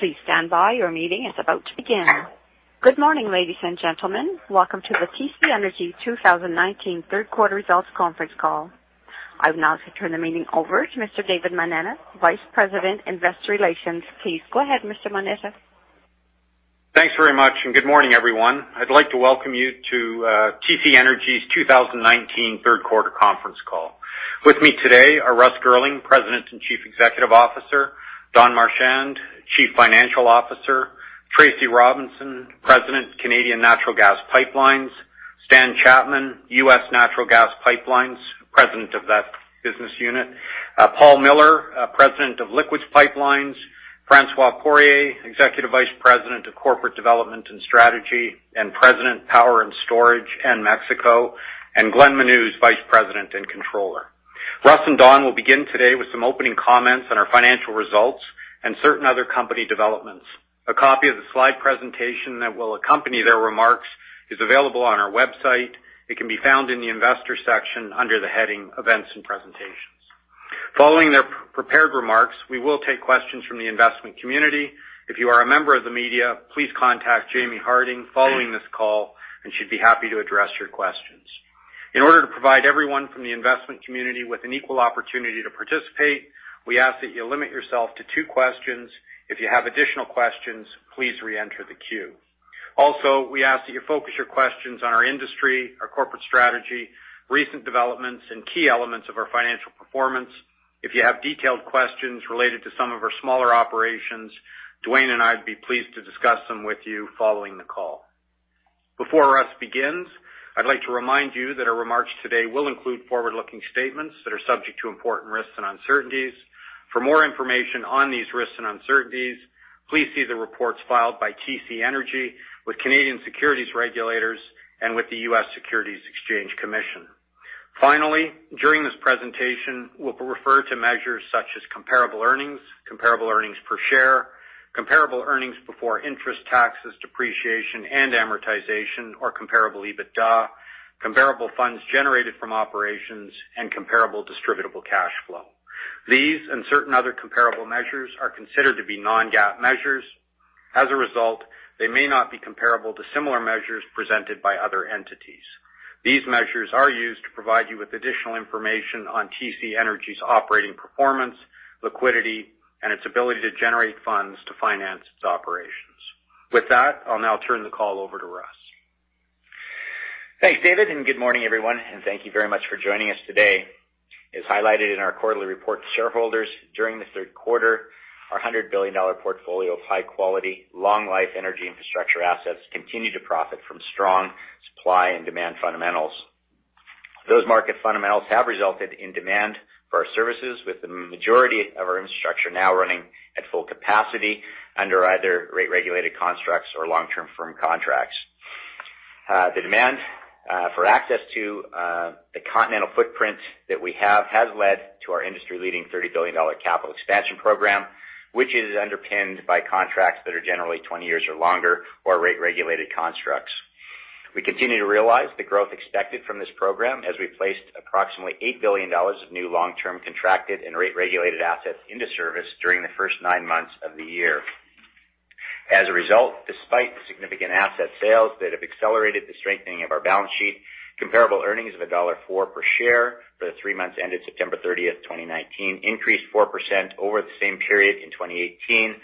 Please stand by. Your meeting is about to begin. Good morning, ladies and gentlemen. Welcome to the TC Energy 2019 third quarter results conference call. I would now like to turn the meeting over to Mr. David Moneta, Vice President, Investor Relations. Please go ahead, Mr. Moneta. Thanks very much, and good morning, everyone. I'd like to welcome you to TC Energy's 2019 third quarter conference call. With me today are Russ Girling, President and Chief Executive Officer, Don Marchand, Chief Financial Officer, Tracy Robinson, President, Canadian Natural Gas Pipelines, Stan Chapman, U.S. Natural Gas Pipelines, President of that business unit, Paul Miller, President of Liquids Pipelines, François Poirier, Executive Vice President of Corporate Development and Strategy, and President, Power and Storage in Mexico, and Glenn Menuz, Vice President and Controller. Russ and Don will begin today with some opening comments on our financial results and certain other company developments. A copy of the slide presentation that will accompany their remarks is available on our website. It can be found in the investor section under the heading Events and Presentations. Following their prepared remarks, we will take questions from the investment community. If you are a member of the media, please contact Jaimie Harding following this call, and she'd be happy to address your questions. In order to provide everyone from the investment community with an equal opportunity to participate, we ask that you limit yourself to two questions. If you have additional questions, please re-enter the queue. Also, we ask that you focus your questions on our industry, our corporate strategy, recent developments, and key elements of our financial performance. If you have detailed questions related to some of our smaller operations, Duane and I'd be pleased to discuss them with you following the call. Before Russ begins, I'd like to remind you that our remarks today will include forward-looking statements that are subject to important risks and uncertainties. For more information on these risks and uncertainties, please see the reports filed by TC Energy with Canadian securities regulators and with the U.S. Securities and Exchange Commission. Finally, during this presentation, we'll refer to measures such as comparable earnings, comparable earnings per share, comparable earnings before interest, taxes, depreciation, and amortization, or comparable EBITDA, comparable funds generated from operations, and comparable distributable cash flow. These and certain other comparable measures are considered to be non-GAAP measures. As a result, they may not be comparable to similar measures presented by other entities. These measures are used to provide you with additional information on TC Energy's operating performance, liquidity, and its ability to generate funds to finance its operations. With that, I'll now turn the call over to Russ. Thanks, David, good morning, everyone, thank you very much for joining us today. As highlighted in our quarterly report to shareholders, during the third quarter, our 100 billion dollar portfolio of high-quality, long-life energy infrastructure assets continued to profit from strong supply and demand fundamentals. Those market fundamentals have resulted in demand for our services, with the majority of our infrastructure now running at full capacity under either rate-regulated constructs or long-term firm contracts. The demand for access to the continental footprint that we have has led to our industry-leading CAD 30 billion capital expansion program, which is underpinned by contracts that are generally 20 years or longer or rate-regulated constructs. We continue to realize the growth expected from this program as we placed approximately 8 billion dollars of new long-term contracted and rate-regulated assets into service during the first nine months of the year. As a result, despite significant asset sales that have accelerated the strengthening of our balance sheet, comparable earnings of dollar 1.04 per share for the three months ended September 30th, 2019, increased 4% over the same period in 2018,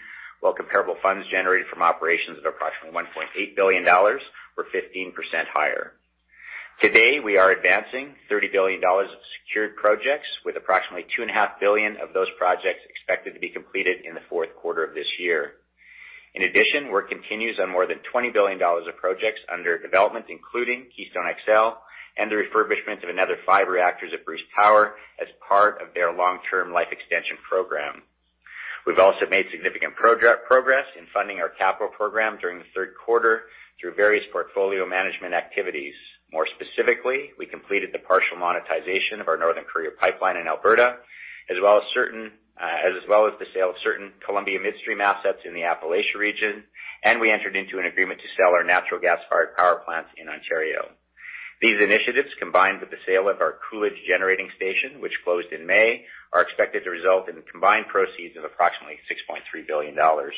while comparable funds generated from operations at approximately 1.8 billion dollars were 15% higher. Today, we are advancing 30 billion dollars of secured projects, with approximately 2.5 billion of those projects expected to be completed in the fourth quarter of this year. In addition, work continues on more than 20 billion dollars of projects under development, including Keystone XL and the refurbishment of another five reactors at Bruce Power as part of their long-term life extension program. We've also made significant progress in funding our capital program during the third quarter through various portfolio management activities. More specifically, we completed the partial monetization of our Northern Courier pipeline in Alberta, as well as the sale of certain Columbia Midstream assets in the Appalachia region, and we entered into an agreement to sell our natural gas-fired power plants in Ontario. These initiatives, combined with the sale of our Coolidge generating station, which closed in May, are expected to result in combined proceeds of approximately 6.3 billion dollars.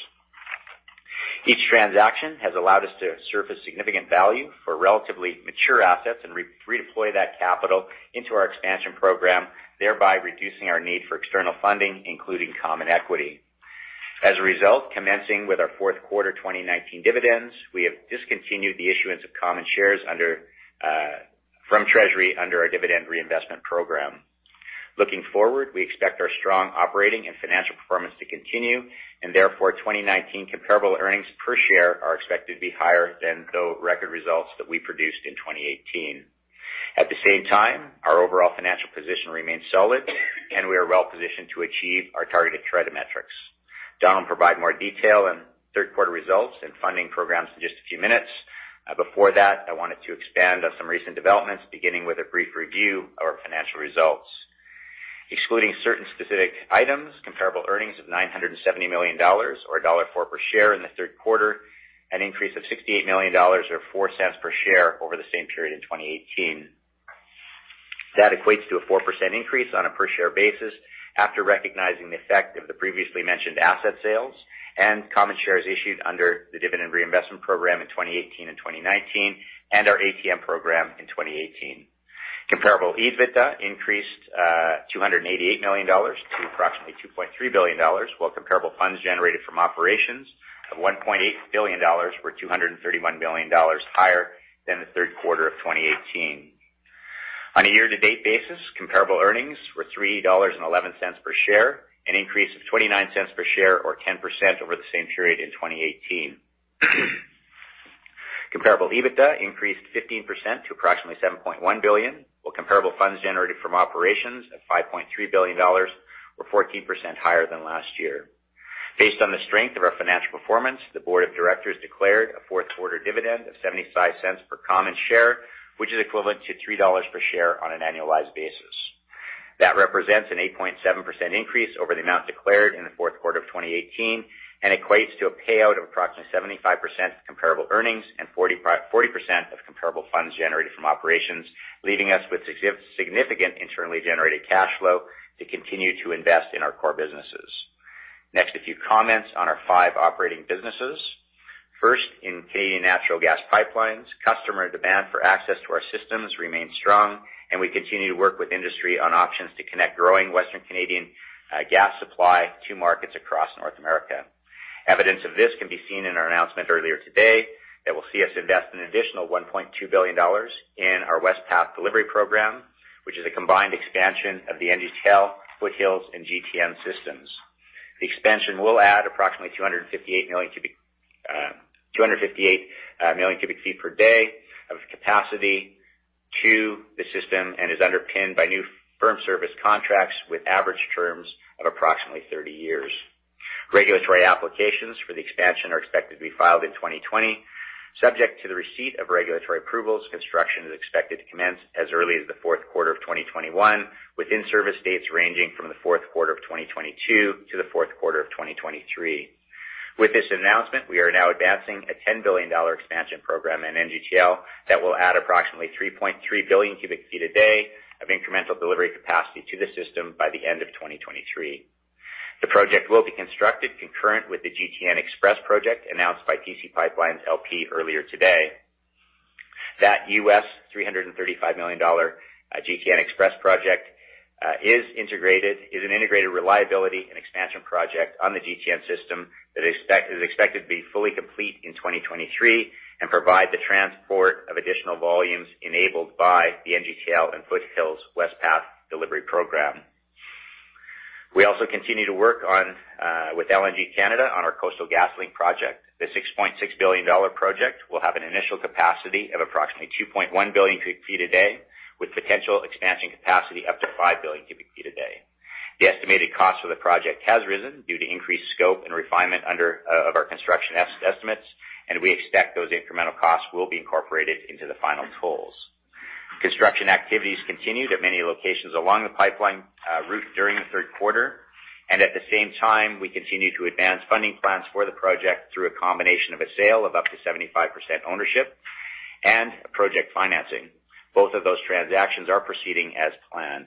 Each transaction has allowed us to surface significant value for relatively mature assets and redeploy that capital into our expansion program, thereby reducing our need for external funding, including common equity. As a result, commencing with our fourth quarter 2019 dividends, we have discontinued the issuance of common shares from treasury under our Dividend Reinvestment Program. Looking forward, we expect our strong operating and financial performance to continue. Therefore, 2019 comparable earnings per share are expected to be higher than the record results that we produced in 2018. At the same time, our overall financial position remains solid. We are well-positioned to achieve our targeted credit metrics. Don will provide more detail on third-quarter results and funding programs in just a few minutes. Before that, I wanted to expand on some recent developments, beginning with a brief review of our financial results. Excluding certain specific items, comparable earnings of 970 million dollars or dollar 1.04 per share in the third quarter, an increase of 68 million dollars or 0.04 per share over the same period in 2018. That equates to a 4% increase on a per-share basis after recognizing the effect of the previously mentioned asset sales and common shares issued under the dividend reinvestment program in 2018 and 2019 and our ATM program in 2018. Comparable EBITDA increased 288 million dollars to approximately 2.3 billion dollars, while comparable funds generated from operations of 1.8 billion dollars were 231 million dollars higher than the third quarter of 2018. On a year-to-date basis, comparable earnings were 3.11 dollars per share, an increase of 0.29 per share or 10% over the same period in 2018. Comparable EBITDA increased 15% to approximately 7.1 billion, while comparable funds generated from operations of 5.3 billion dollars were 14% higher than last year. Based on the strength of our financial performance, the board of directors declared a fourth quarter dividend of 0.75 per common share, which is equivalent to 3 dollars per share on an annualized basis. That represents an 8.7% increase over the amount declared in the fourth quarter of 2018 and equates to a payout of approximately 75% comparable earnings and 40% of comparable funds generated from operations, leaving us with significant internally generated cash flow to continue to invest in our core businesses. Next, a few comments on our five operating businesses. First, in Canadian natural gas pipelines, customer demand for access to our systems remains strong, and we continue to work with industry on options to connect growing Western Canadian gas supply to markets across North America. Evidence of this can be seen in our announcement earlier today that will see us invest an additional 1.2 billion dollars in our West Path Delivery program, which is a combined expansion of the NGTL, Foothills, and GTN systems. The expansion will add approximately 258 million cubic feet per day of capacity to the system and is underpinned by new firm service contracts with average terms of approximately 30 years. Regulatory applications for the expansion are expected to be filed in 2020. Subject to the receipt of regulatory approvals, construction is expected to commence as early as the fourth quarter of 2021, with in-service dates ranging from the fourth quarter of 2022 to the fourth quarter of 2023. With this announcement, we are now advancing a 10 billion dollar expansion program in NGTL that will add approximately 3.3 billion cubic feet a day of incremental delivery capacity to the system by the end of 2023. The project will be constructed concurrent with the GTN XPress Project announced by TC PipeLines, LP earlier today. The $335 million GTN XPress project is an integrated reliability and expansion project on the GTN system that is expected to be fully complete in 2023 and provide the transport of additional volumes enabled by the NGTL and Foothills West Path Delivery program. We also continue to work with LNG Canada on our Coastal GasLink project. The 6.6 billion dollar project will have an initial capacity of approximately 2.1 billion cubic feet a day, with potential expansion capacity up to 5 billion cubic feet a day. The estimated cost of the project has risen due to increased scope and refinement of our construction estimates, and we expect those incremental costs will be incorporated into the final tolls. Construction activities continued at many locations along the pipeline route during the third quarter, and at the same time, we continued to advance funding plans for the project through a combination of a sale of up to 75% ownership and project financing. Both of those transactions are proceeding as planned.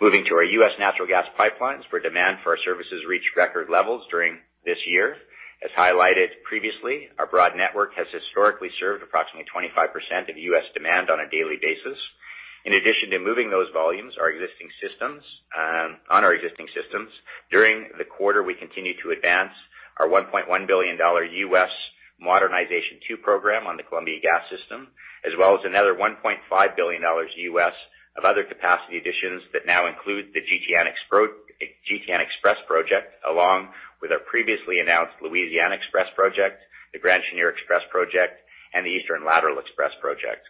Moving to our U.S. Natural Gas Pipelines, where demand for our services reached record levels during this year. As highlighted previously, our broad network has historically served approximately 25% of U.S. demand on a daily basis. In addition to moving those volumes on our existing systems, during the quarter, we continued to advance our $1.1 billion U.S. Modernization II program on the Columbia Gas system, as well as another $1.5 billion U.S. of other capacity additions that now include the GTN XPress project, along with our previously announced Louisiana XPress project, the Grand Chenier XPress project, and the East Lateral XPress project.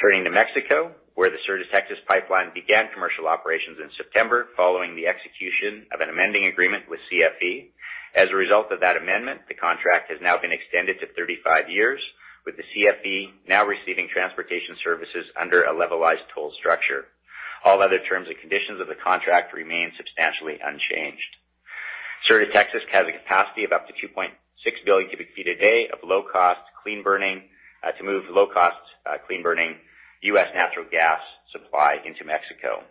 Turning to Mexico, where the Sur de Texas pipeline began commercial operations in September following the execution of an amending agreement with CFE. As a result of that amendment, the contract has now been extended to 35 years, with the CFE now receiving transportation services under a levelized toll structure. All other terms and conditions of the contract remain substantially unchanged. Sur de Texas has a capacity of up to 2.6 billion cubic feet a day to move low-cost, clean-burning U.S. natural gas supply into Mexico.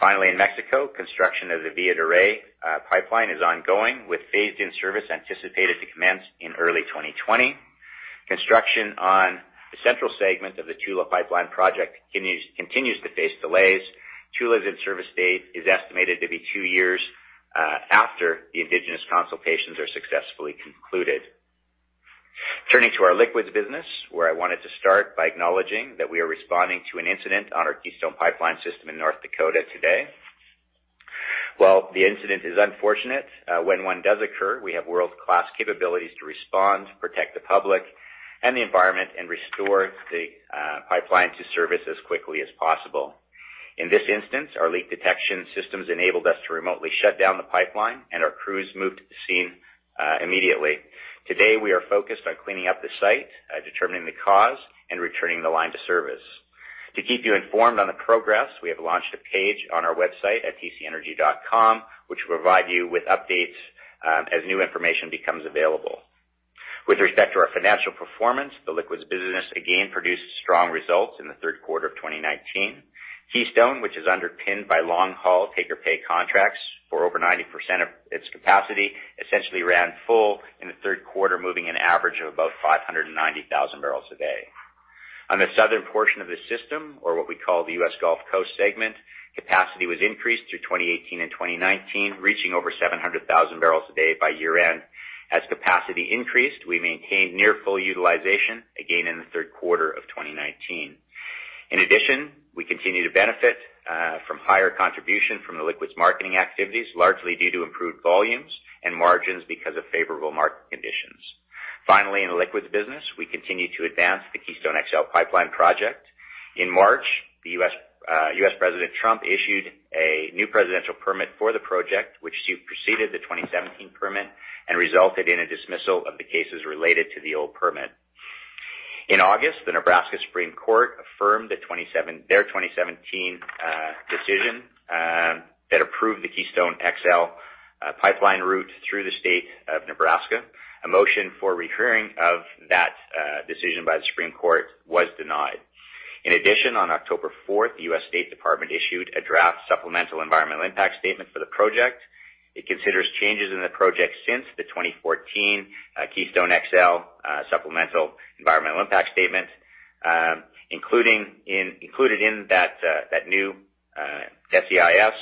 Finally, in Mexico, construction of the Villa de Reyes pipeline is ongoing, with phased-in service anticipated to commence in early 2020. Construction on the central segment of the Tula Pipeline project continues to face delays. Tula's in-service date is estimated to be two years after the indigenous consultations are successfully concluded. Turning to our liquids business, where I wanted to start by acknowledging that we are responding to an incident on our Keystone Pipeline system in North Dakota today. While the incident is unfortunate, when one does occur, we have world-class capabilities to respond, protect the public and the environment, and restore the pipeline to service as quickly as possible. In this instance, our leak detection systems enabled us to remotely shut down the pipeline, and our crews moved to the scene immediately. Today, we are focused on cleaning up the site, determining the cause, and returning the line to service. To keep you informed on the progress, we have launched a page on our website at tcenergy.com, which will provide you with updates as new information becomes available. With respect to our financial performance, the liquids business again produced strong results in the third quarter of 2019. Keystone, which is underpinned by long-haul take-or-pay contracts for over 90% of its capacity, essentially ran full in the third quarter, moving an average of about 590,000 bbl a day. On the southern portion of the system, or what we call the U.S. Gulf Coast segment, capacity was increased through 2018 and 2019, reaching over 700,000 bbl a day by year-end. As capacity increased, we maintained near full utilization again in the third quarter of 2019. In addition, we continue to benefit from higher contribution from the liquids marketing activities, largely due to improved volumes and margins because of favorable market conditions. Finally, in the liquids business, we continue to advance the Keystone XL Pipeline project. In March, the U.S. President Trump issued a new presidential permit for the project, which superseded the 2017 permit and resulted in a dismissal of the cases related to the old permit. In August, the Nebraska Supreme Court affirmed their 2017 decision that approved the Keystone XL Pipeline route through the state of Nebraska. A motion for rehearing of that decision by the Supreme Court was denied. In addition, on October 4th, the U.S. Department of State issued a draft supplemental environmental impact statement for the project. It considers changes in the project since the 2014 Keystone XL Supplemental Environmental Impact Statement. Included in that new SEIS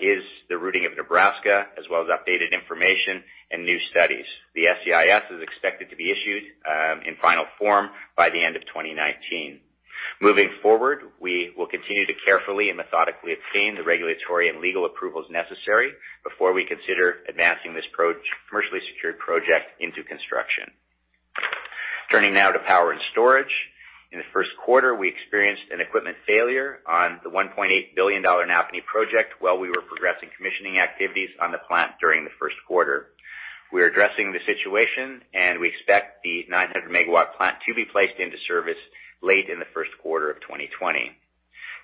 is the routing of Nebraska as well as updated information and new studies. The SEIS is expected to be issued in final form by the end of 2019. Moving forward, we will continue to carefully and methodically obtain the regulatory and legal approvals necessary before we consider advancing this commercially secured project into construction. Turning now to power and storage. In the first quarter, we experienced an equipment failure on the 1.8 billion dollar Napanee project while we were progressing commissioning activities on the plant during the first quarter. We are addressing the situation, and we expect the 900 MW plant to be placed into service late in the first quarter of 2020.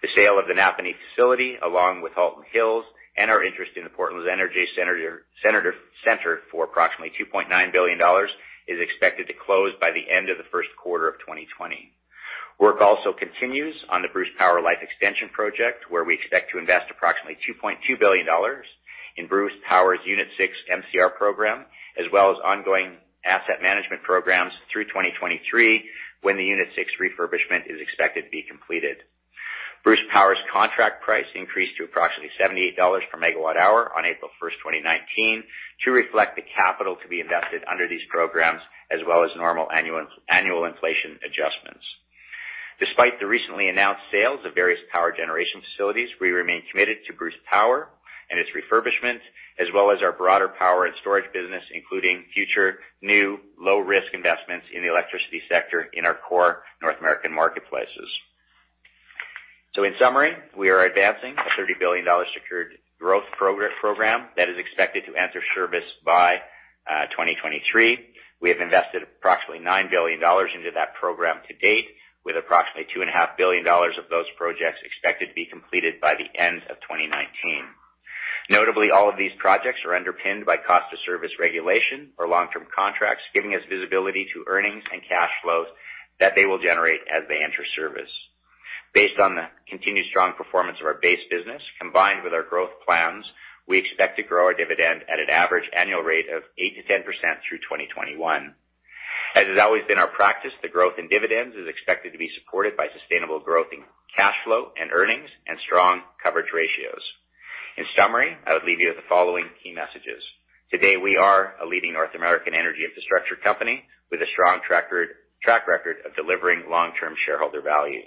The sale of the Napanee facility, along with Halton Hills and our interest in the Portlands Energy Centre for approximately 2.9 billion dollars, is expected to close by the end of the first quarter of 2020. Work also continues on the Bruce Power Life Extension project, where we expect to invest approximately 2.2 billion dollars in Bruce Power's Unit 6 MCR program, as well as ongoing asset management programs through 2023, when the Unit 6 refurbishment is expected to be completed. Bruce Power's contract price increased to approximately 78 dollars per megawatt hour on April 1st, 2019, to reflect the capital to be invested under these programs, as well as normal annual inflation adjustments. Despite the recently announced sales of various power generation facilities, we remain committed to Bruce Power and its refurbishment, as well as our broader power and storage business, including future new low-risk investments in the electricity sector in our core North American marketplaces. In summary, we are advancing a 30 billion dollars secured growth program that is expected to enter service by 2023. We have invested approximately 9 billion dollars into that program to date, with approximately 2.5 billion dollars of those projects expected to be completed by the end of 2019. Notably, all of these projects are underpinned by cost-of-service regulation or long-term contracts, giving us visibility to earnings and cash flows that they will generate as they enter service. Based on the continued strong performance of our base business, combined with our growth plans, we expect to grow our dividend at an average annual rate of 8%-10% through 2021. As has always been our practice, the growth in dividends is expected to be supported by sustainable growth in cash flow and earnings and strong coverage ratios. In summary, I would leave you with the following key messages. Today, we are a leading North American energy infrastructure company with a strong track record of delivering long-term shareholder value.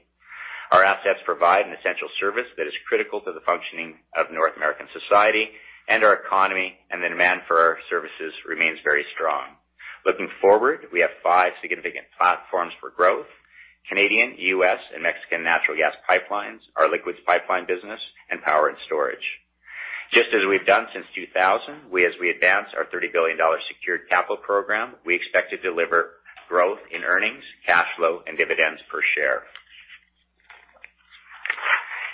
Our assets provide an essential service that is critical to the functioning of North American society and our economy, and the demand for our services remains very strong. Looking forward, we have five significant platforms for growth: Canadian, U.S., and Mexican natural gas pipelines, our liquids pipeline business, and power and storage. Just as we've done since 2000, as we advance our 30 billion dollar secured capital program, we expect to deliver growth in earnings, cash flow, and dividends per share.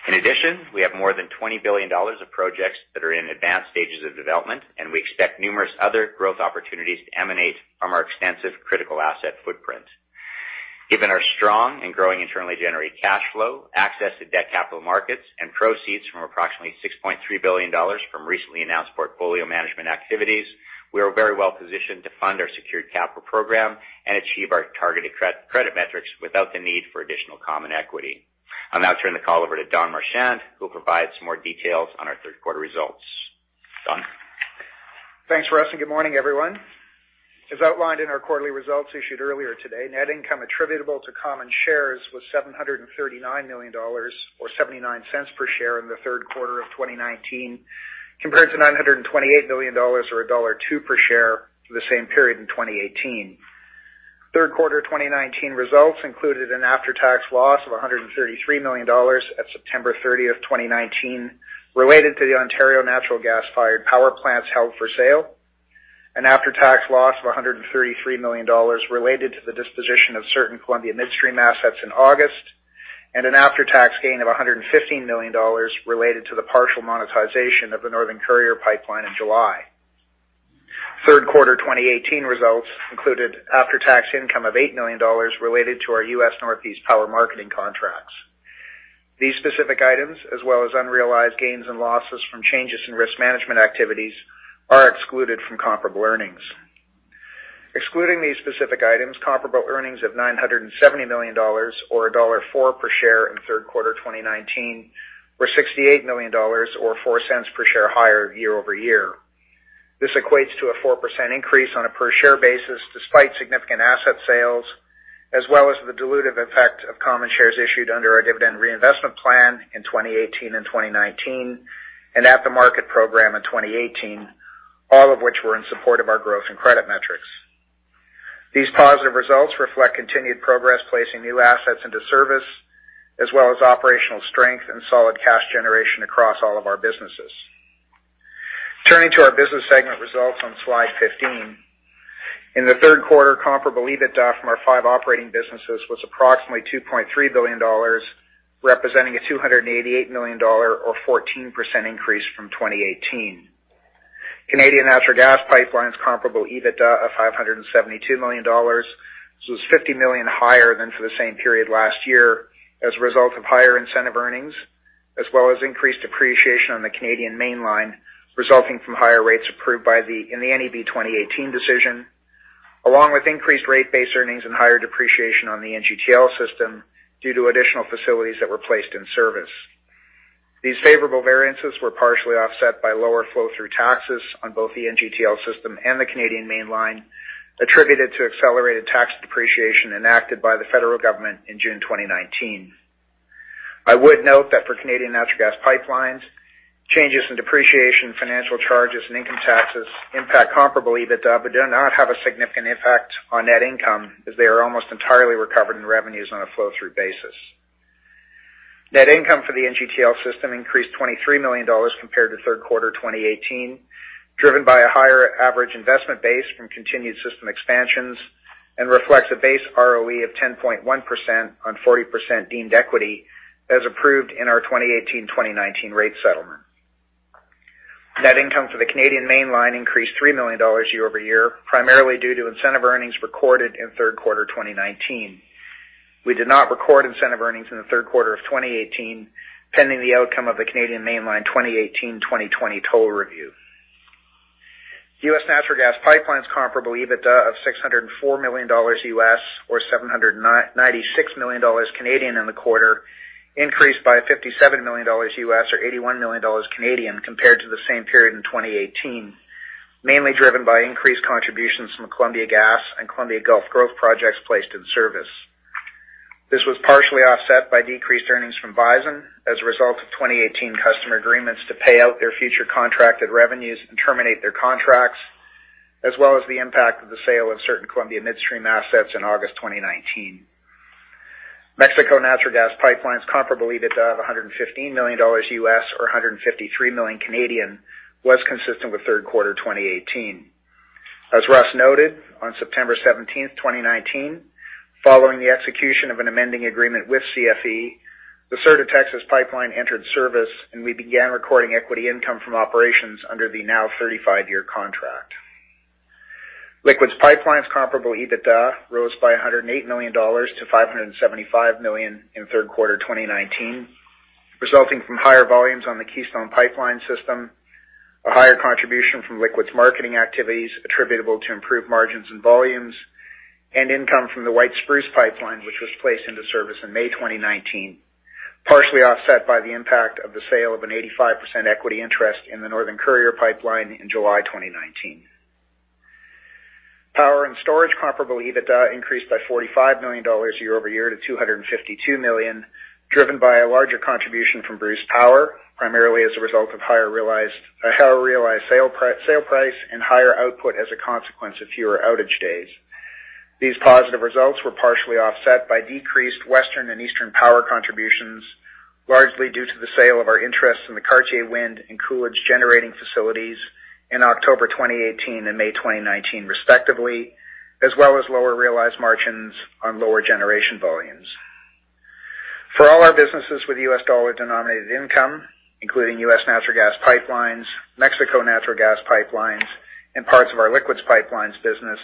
In addition, we have more than 20 billion dollars of projects that are in advanced stages of development, and we expect numerous other growth opportunities to emanate from our extensive critical asset footprint. Given our strong and growing internally generated cash flow, access to debt capital markets, and proceeds from approximately 6.3 billion dollars from recently announced portfolio management activities, we are very well-positioned to fund our secured capital program and achieve our targeted credit metrics without the need for additional common equity. I'll now turn the call over to Don Marchand, who will provide some more details on our third quarter results. Don? Thanks, Russ. Good morning, everyone. As outlined in our quarterly results issued earlier today, net income attributable to common shares was 739 million dollars, or 0.79 per share in the third quarter of 2019, compared to 928 million dollars or dollar 1.02 per share for the same period in 2018. Third quarter 2019 results included an after-tax loss of 133 million dollars at September 30th, 2019, related to the Ontario natural gas-fired power plants held for sale, an after-tax loss of 133 million dollars related to the disposition of certain Columbia Midstream assets in August. An after-tax gain of 115 million dollars related to the partial monetization of the Northern Courier pipeline in July. Third quarter 2018 results included after-tax income of 8 million dollars related to our U.S. Northeast power marketing contracts. These specific items, as well as unrealized gains and losses from changes in risk management activities, are excluded from comparable earnings. Excluding these specific items, comparable earnings of 970 million dollars, or dollar 1.04 per share in third quarter 2019, were 68 million dollars, or 0.04 per share higher year-over-year. This equates to a 4% increase on a per share basis despite significant asset sales, as well as the dilutive effect of common shares issued under our dividend reinvestment plan in 2018 and 2019, and at the market program in 2018, all of which were in support of our growth in credit metrics. These positive results reflect continued progress, placing new assets into service, as well as operational strength and solid cash generation across all of our businesses. Turning to our business segment results on slide 15. In the third quarter, comparable EBITDA from our five operating businesses was approximately 2.3 billion dollars, representing a 288 million dollar or 14% increase from 2018. Canadian Natural Gas Pipelines comparable EBITDA of 572 million dollars, this was 50 million higher than for the same period last year as a result of higher incentive earnings, as well as increased depreciation on the Canadian Mainline, resulting from higher rates approved in the NEB 2018 decision, along with increased rate base earnings and higher depreciation on the NGTL System due to additional facilities that were placed in service. These favorable variances were partially offset by lower flow-through taxes on both the NGTL System and the Canadian Mainline, attributed to accelerated tax depreciation enacted by the federal government in June 2019. I would note that for Canadian Natural Gas Pipelines, changes in depreciation, financial charges, and income taxes impact comparable EBITDA, but do not have a significant impact on net income, as they are almost entirely recovered in revenues on a flow-through basis. Net income for the NGTL System increased 23 million dollars compared to third quarter 2018, driven by a higher average investment base from continued system expansions, and reflects a base ROE of 10.1% on 40% deemed equity as approved in our 2018-2019 rate settlement. Net income for the Canadian Mainline increased 3 million dollars year-over-year, primarily due to incentive earnings recorded in third quarter 2019. We did not record incentive earnings in the third quarter of 2018, pending the outcome of the Canadian Mainline 2018-2020 toll review. U.S. Natural Gas Pipelines comparable EBITDA of $604 million, or 796 million dollars in the quarter, increased by $57 million, or 81 million dollars compared to the same period in 2018. Mainly driven by increased contributions from Columbia Gas and Columbia Gulf growth projects placed in service. This was partially offset by decreased earnings from Bison as a result of 2018 customer agreements to pay out their future contracted revenues and terminate their contracts, as well as the impact of the sale of certain Columbia Midstream assets in August 2019. Mexico Natural Gas Pipelines comparable EBITDA of $115 million or 153 million Canadian dollars was consistent with third quarter 2018. As Russ noted, on September 17th, 2019, following the execution of an amending agreement with CFE, the Sur de Texas pipeline entered service, and we began recording equity income from operations under the now 35-year contract. Liquids Pipelines comparable EBITDA rose by 108 million dollars to 575 million in third quarter 2019, resulting from higher volumes on the Keystone Pipeline system, a higher contribution from liquids marketing activities attributable to improved margins and volumes, and income from the White Spruce Pipeline, which was placed into service in May 2019, partially offset by the impact of the sale of an 85% equity interest in the Northern Courier pipeline in July 2019. Power and Storage comparable EBITDA increased by 45 million dollars year-over-year to 252 million, driven by a larger contribution from Bruce Power, primarily as a result of a higher realized sale price and higher output as a consequence of fewer outage days. These positive results were partially offset by decreased Western and Eastern power contributions, largely due to the sale of our interest in the Cartier Wind and Coolidge generating facilities in October 2018 and May 2019 respectively, as well as lower realized margins on lower generation volumes. For all our businesses with U.S. dollar-denominated income, including U.S. Natural Gas Pipelines, Mexico Natural Gas Pipelines, and parts of our Liquids Pipelines business,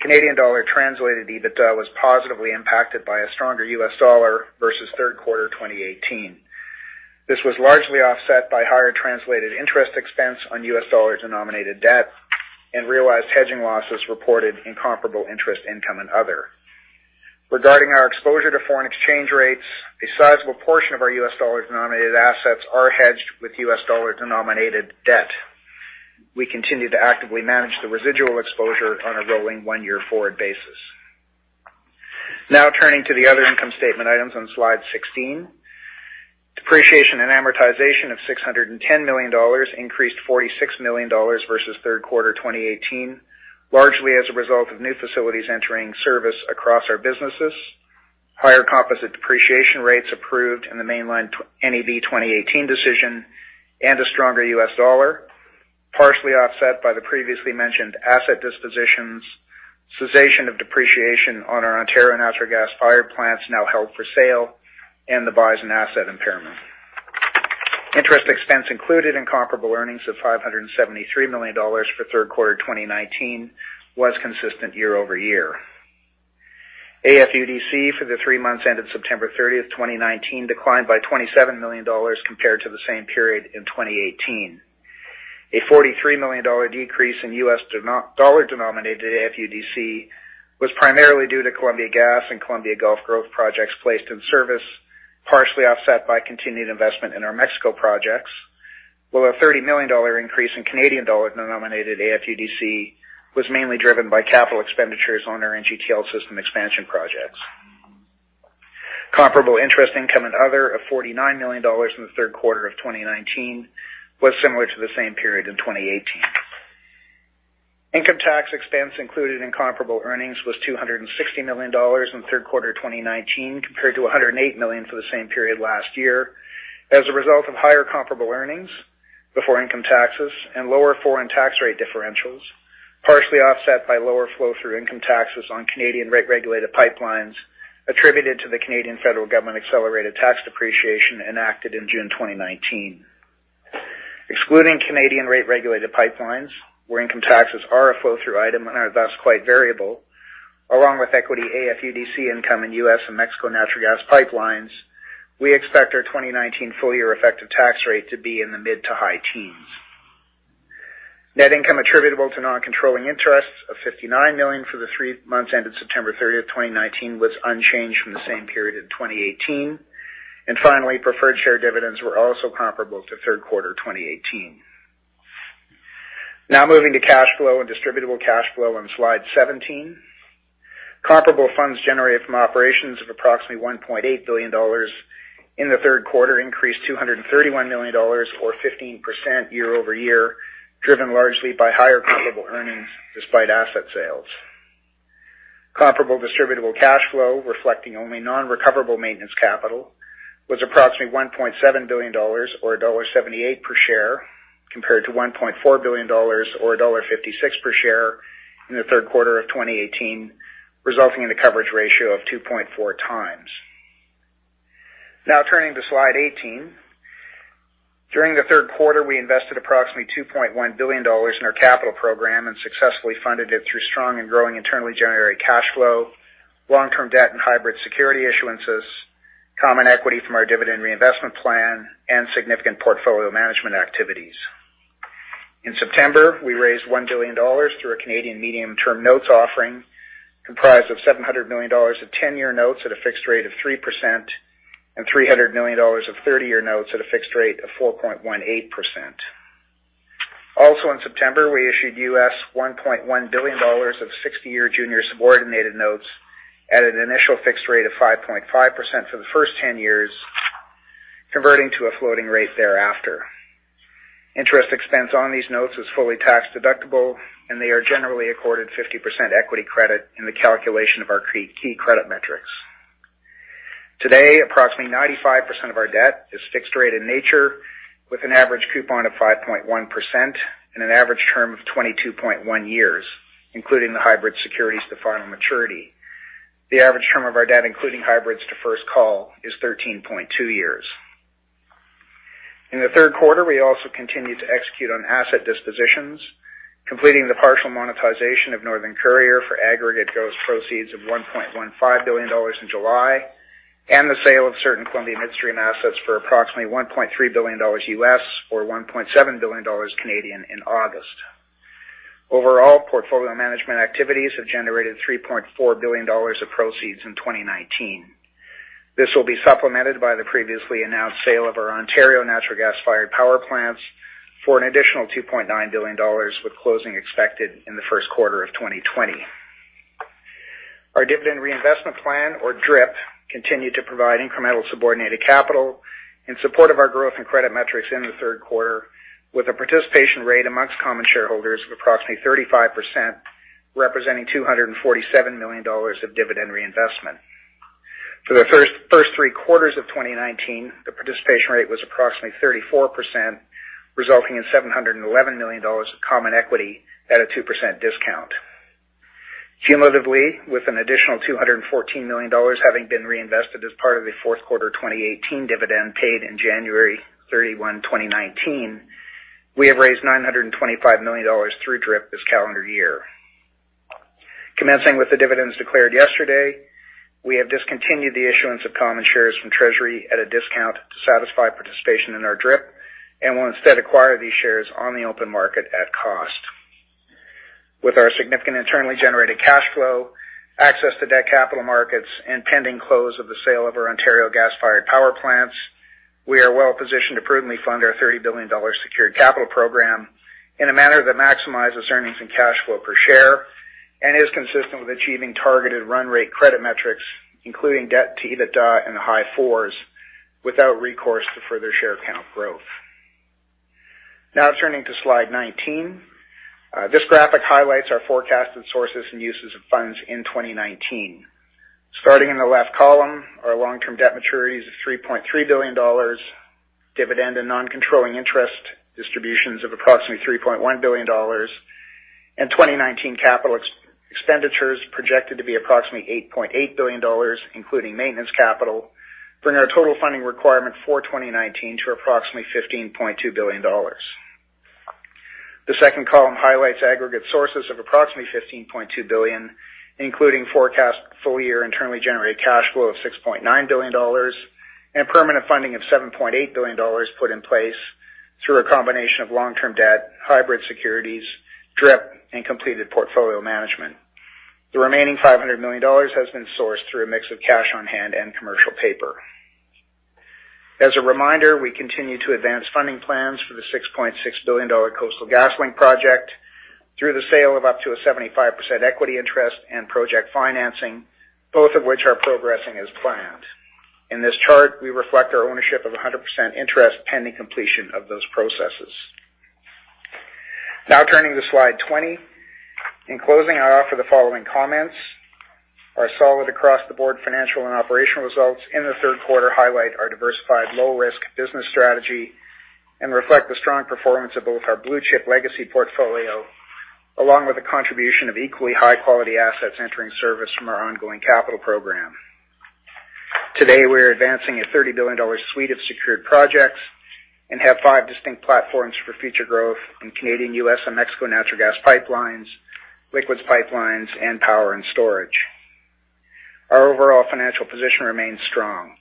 Canadian dollar translated EBITDA was positively impacted by a stronger U.S. dollar versus third quarter 2018. This was largely offset by higher translated interest expense on U.S. dollar-denominated debt and realized hedging losses reported in comparable interest income and other. Regarding our exposure to foreign exchange rates, a sizable portion of our U.S. dollar-denominated assets are hedged with U.S. dollar-denominated debt. We continue to actively manage the residual exposure on a rolling one-year forward basis. Now turning to the other income statement items on slide 16. Depreciation and amortization of 610 million dollars increased 46 million dollars versus third quarter 2018, largely as a result of new facilities entering service across our businesses, higher composite depreciation rates approved in the Mainline NEB 2018 decision, and a stronger U.S. dollar. Partially offset by the previously mentioned asset dispositions, cessation of depreciation on our Ontario natural gas-fired plants now held for sale, and the Bison asset impairment. Interest expense included in comparable earnings of 573 million dollars for third quarter 2019 was consistent year-over-year. AFUDC for the three months ended September 30th, 2019, declined by 27 million dollars compared to the same period in 2018. A $43 million decrease in U.S. dollar-denominated AFUDC was primarily due to Columbia Gas and Columbia Gulf growth projects placed in service, partially offset by continued investment in our Mexico projects, while a 30 million dollar increase in Canadian dollar-denominated AFUDC was mainly driven by capital expenditures on our NGTL system expansion projects. Comparable interest income and other of 49 million dollars in the third quarter of 2019 was similar to the same period in 2018. Income tax expense included in comparable earnings was 260 million dollars in third quarter 2019, compared to 108 million for the same period last year, as a result of higher comparable earnings before income taxes and lower foreign tax rate differentials, partially offset by lower flow-through income taxes on Canadian rate-regulated pipelines attributed to the Canadian federal government accelerated tax depreciation enacted in June 2019. Excluding Canadian rate-regulated pipelines, where income taxes are a flow-through item and are thus quite variable, along with equity AFUDC income in U.S. and Mexico natural gas pipelines, we expect our 2019 full-year effective tax rate to be in the mid to high teens. Net income attributable to non-controlling interests of CAD 59 million for the three months ended September 30th, 2019, was unchanged from the same period in 2018. Finally, preferred share dividends were also comparable to third quarter 2018. Now moving to cash flow and distributable cash flow on slide 17. Comparable funds generated from operations of approximately 1.8 billion dollars in the third quarter increased 231 million dollars, or 15% year-over-year, driven largely by higher comparable earnings despite asset sales. Comparable distributable cash flow, reflecting only non-recoverable maintenance capital, was approximately 1.7 billion dollars, or dollar 1.78 per share, compared to 1.4 billion dollars or dollar 1.56 per share in the third quarter of 2018, resulting in a coverage ratio of 2.4x. Turning to slide 18. During the third quarter, we invested approximately 2.1 billion dollars in our capital program and successfully funded it through strong and growing internally generated cash flow, long-term debt and hybrid security issuances, common equity from our dividend reinvestment plan, and significant portfolio management activities. In September, we raised 1 billion dollars through our Canadian medium-term notes offering, comprised of 700 million dollars of 10-year notes at a fixed rate of 3% and 300 million dollars of 30-year notes at a fixed rate of 4.18%. Also in September, we issued $1.1 billion of 60-year junior subordinated notes at an initial fixed rate of 5.5% for the first 10 years, converting to a floating rate thereafter. Interest expense on these notes is fully tax-deductible, and they are generally accorded 50% equity credit in the calculation of our key credit metrics. Today, approximately 95% of our debt is fixed-rate in nature, with an average coupon of 5.1% and an average term of 22.1 years, including the hybrid securities to final maturity. The average term of our debt, including hybrids to first call, is 13.2 years. In the third quarter, we also continued to execute on asset dispositions, completing the partial monetization of Northern Courier for aggregate gross proceeds of 1.15 billion dollars in July, and the sale of certain Columbia Midstream assets for approximately $1.3 billion, or 1.7 billion Canadian dollars, in August. Overall, portfolio management activities have generated 3.4 billion dollars of proceeds in 2019. This will be supplemented by the previously announced sale of our Ontario natural gas-fired power plants for an additional 2.9 billion dollars, with closing expected in the first quarter of 2020. Our dividend reinvestment plan, or DRIP, continued to provide incremental subordinated capital in support of our growth and credit metrics in the third quarter, with a participation rate amongst common shareholders of approximately 35%, representing 247 million dollars of dividend reinvestment. For the first three quarters of 2019, the participation rate was approximately 34%, resulting in 711 million dollars of common equity at a 2% discount. Cumulatively, with an additional 214 million dollars having been reinvested as part of the fourth quarter 2018 dividend paid in January 31, 2019, we have raised 925 million dollars through DRIP this calendar year. Commencing with the dividends declared yesterday, we have discontinued the issuance of common shares from treasury at a discount to satisfy participation in our DRIP and will instead acquire these shares on the open market at cost. With our significant internally generated cash flow, access to debt capital markets, and pending close of the sale of our Ontario gas-fired power plants, we are well positioned to prudently fund our 30 billion dollar secured capital program in a manner that maximizes earnings and cash flow per share and is consistent with achieving targeted run rate credit metrics, including debt to EBITDA in the high-4%, without recourse to further share count growth. Turning to slide 19. This graphic highlights our forecasted sources and uses of funds in 2019. Starting in the left column, our long-term debt maturities of 3.3 billion dollars, dividend and non-controlling interest distributions of approximately 3.1 billion dollars, and 2019 capital expenditures projected to be approximately 8.8 billion dollars, including maintenance capital, bring our total funding requirement for 2019 to approximately 15.2 billion dollars. The second column highlights aggregate sources of approximately 15.2 billion, including forecast full-year internally generated cash flow of 6.9 billion dollars and permanent funding of 7.8 billion dollars put in place through a combination of long-term debt, hybrid securities, DRIP, and completed portfolio management. The remaining 500 million dollars has been sourced through a mix of cash on hand and commercial paper. As a reminder, we continue to advance funding plans for the 6.6 billion dollar Coastal GasLink project through the sale of up to a 75% equity interest and project financing, both of which are progressing as planned. In this chart, we reflect our ownership of 100% interest pending completion of those processes. Now turning to slide 20. In closing, I offer the following comments. Our solid across-the-board financial and operational results in the third quarter highlight our diversified low-risk business strategy and reflect the strong performance of both our blue-chip legacy portfolio, along with the contribution of equally high-quality assets entering service from our ongoing capital program. Today, we're advancing a 30 billion dollar suite of secured projects and have five distinct platforms for future growth in Canadian, U.S., and Mexico natural gas pipelines, liquids pipelines, and power and storage. Our overall financial position remains strong.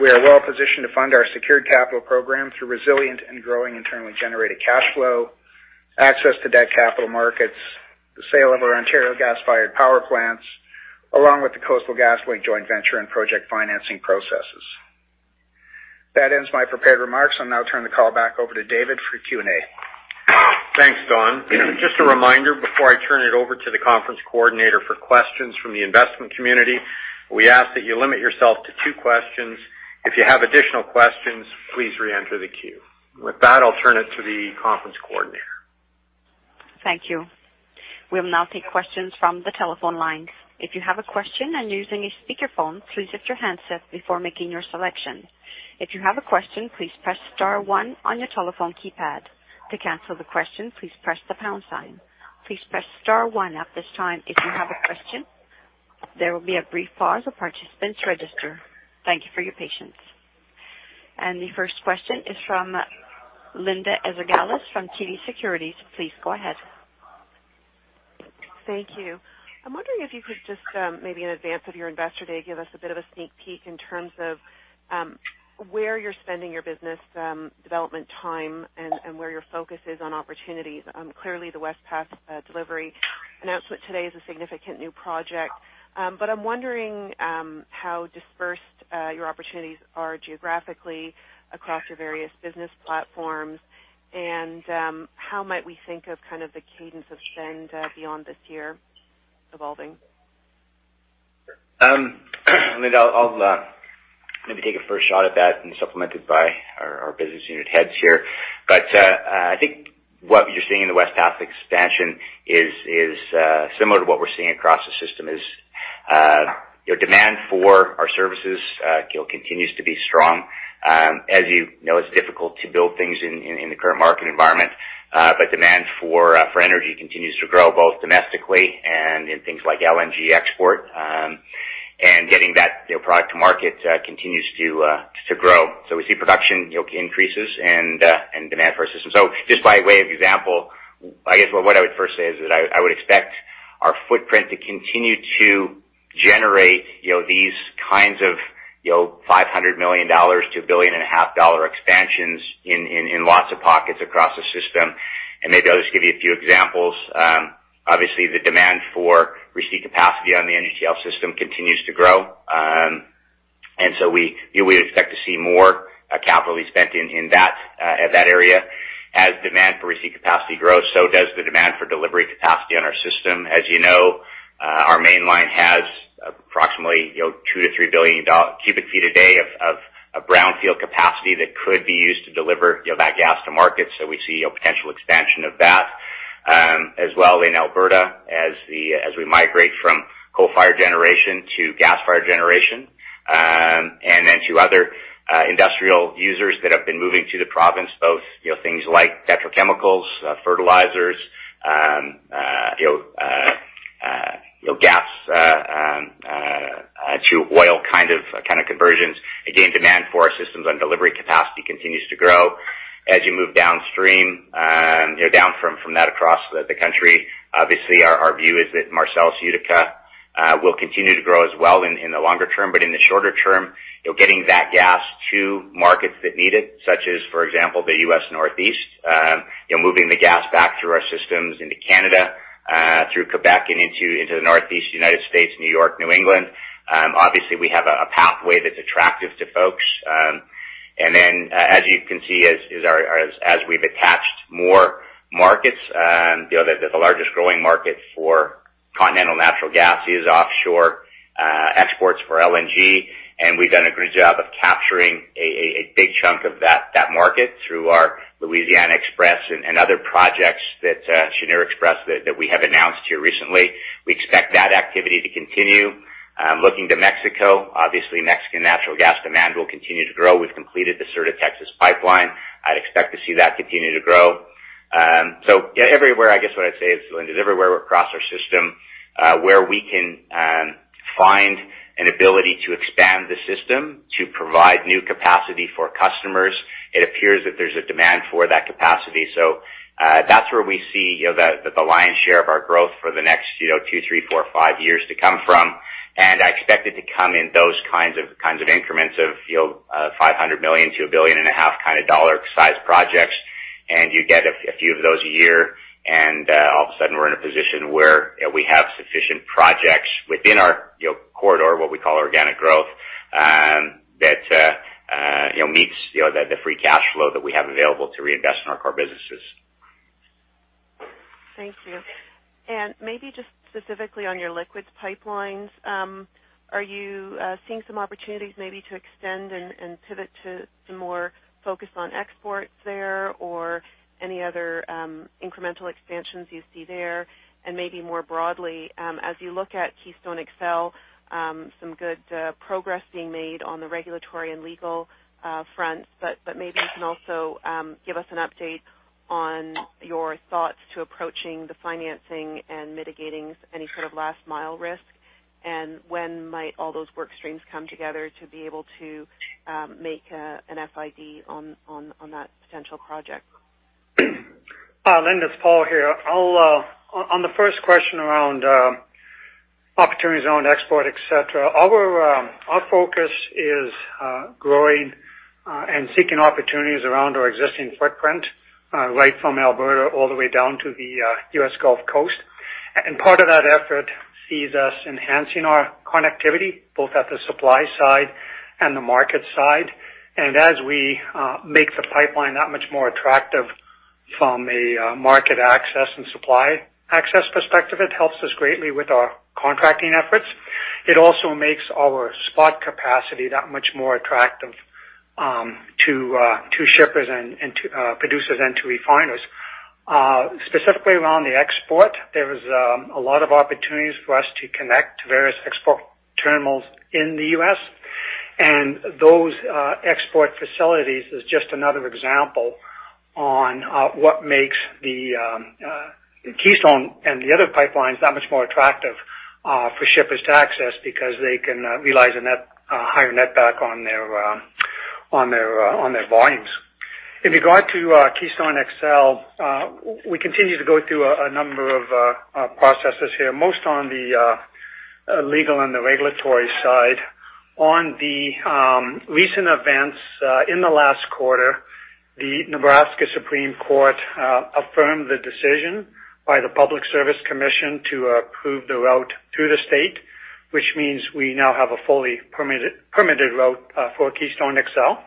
We are well-positioned to fund our secured capital program through resilient and growing internally generated cash flow, access to debt capital markets, the sale of our Ontario gas-fired power plants, along with the Coastal GasLink joint venture and project financing processes. That ends my prepared remarks. I'll now turn the call back over to David for Q&A. Thanks, Don. Just a reminder, before I turn it over to the conference coordinator for questions from the investment community, we ask that you limit yourself to two questions. If you have additional questions, please re-enter the queue. With that, I'll turn it to the conference coordinator. Thank you. We'll now take questions from the telephone lines. If you have a question and using a speakerphone, please mute your handset before making your selection. If you have a question, please press star one on your telephone keypad. To cancel the question, please press the pound sign. Please press star one at this time if you have a question. There will be a brief pause as participants register. Thank you for your patience. The first question is from Linda Ezergailis from TD Securities. Please go ahead. Thank you. I'm wondering if you could just, maybe in advance of your Investor Day, give us a bit of a sneak peek in terms of where you're spending your business development time and where your focus is on opportunities. Clearly, the West Path Delivery announcement today is a significant new project. I'm wondering how dispersed your opportunities are geographically across your various business platforms, and how might we think of kind of the cadence of spend beyond this year evolving? Linda, I'll maybe take a first shot at that and supplemented by our business unit heads here. I think what you're seeing in the West Path expansion is similar to what we're seeing across the system is demand for our services continues to be strong. As you know, it's difficult to build things in the current market environment, but demand for energy continues to grow both domestically and in things like LNG export and getting that product to market continues to grow. We see production increases and demand for our system. Just by way of example, I guess what I would first say is that I would expect our footprint to continue to generate these kinds of 500 million-1.5 billion dollars expansions in lots of pockets across the system. Maybe I'll just give you a few examples. Obviously, the demand for receipt capacity on the NGTL system continues to grow. We expect to see more capital be spent in that area. As demand for receipt capacity grows, so does the demand for delivery capacity on our system. As you know, our Mainline has approximately 2 billion-3 billion cubic feet a day of a brownfield capacity that could be used to deliver that gas to market. We see a potential expansion of that as well in Alberta as we migrate from coal-fired generation to gas-fired generation, and then to other industrial users that have been moving to the province, both things like petrochemicals, fertilizers, gas to oil kind of conversions. Again, demand for our systems on delivery capacity continues to grow. As you move downstream, down from that across the country, obviously, our view is that Marcellus/Utica will continue to grow as well in the longer term, but in the shorter term, getting that gas to markets that need it, such as, for example, the U.S. Northeast, moving the gas back through our systems into Canada, through Quebec and into the Northeast United States, New York, New England. Obviously, we have a pathway that's attractive to folks. As you can see, as we've attached more markets, the largest growing market for continental natural gas is offshore exports for LNG, and we've done a good job of capturing a big chunk of that market through our Louisiana XPress and other projects that Chenier XPress that we have announced here recently. We expect that activity to continue. Looking to Mexico, obviously Mexican natural gas demand will continue to grow. We've completed the Sur de Texas pipeline. I'd expect to see that continue to grow. Everywhere, I guess what I'd say is, Linda, is everywhere across our system where we can find an ability to expand the system to provide new capacity for customers, it appears that there's a demand for that capacity. That's where we see the lion's share of our growth for the next two, three, four, five years to come from, and I expect it to come in those kinds of increments of 500 million-1.5 billion kind of CAD-size projects. You get a few of those a year, and all of a sudden we're in a position where we have sufficient projects within our corridor, what we call organic growth, that meets the free cash flow that we have available to reinvest in our core businesses. Thank you. Maybe just specifically on your liquids pipelines, are you seeing some opportunities maybe to extend and pivot to some more focus on exports there or any other incremental expansions you see there? Maybe more broadly, as you look at Keystone XL, some good progress being made on the regulatory and legal fronts. Maybe you can also give us an update on your thoughts to approaching the financing and mitigating any sort of last mile risk. When might all those work streams come together to be able to make an FID on that potential project? Linda, it's Paul here. On the first question around opportunities around export, et cetera, our focus is growing and seeking opportunities around our existing footprint right from Alberta all the way down to the U.S. Gulf Coast. Part of that effort sees us enhancing our connectivity both at the supply side and the market side. As we make the pipeline that much more attractive from a market access and supply access perspective, it helps us greatly with our contracting efforts. It also makes our spot capacity that much more attractive to shippers and to producers and to refiners. Specifically around the export, there is a lot of opportunities for us to connect various export terminals in the U.S., and those export facilities is just another example on what makes the Keystone and the other pipelines that much more attractive for shippers to access because they can realize a higher net back on their volumes. In regard to Keystone XL, we continue to go through a number of processes here, most on the legal and the regulatory side. On the recent events in the last quarter, the Nebraska Supreme Court affirmed the decision by the Public Service Commission to approve the route through the state, which means we now have a fully permitted route for Keystone XL.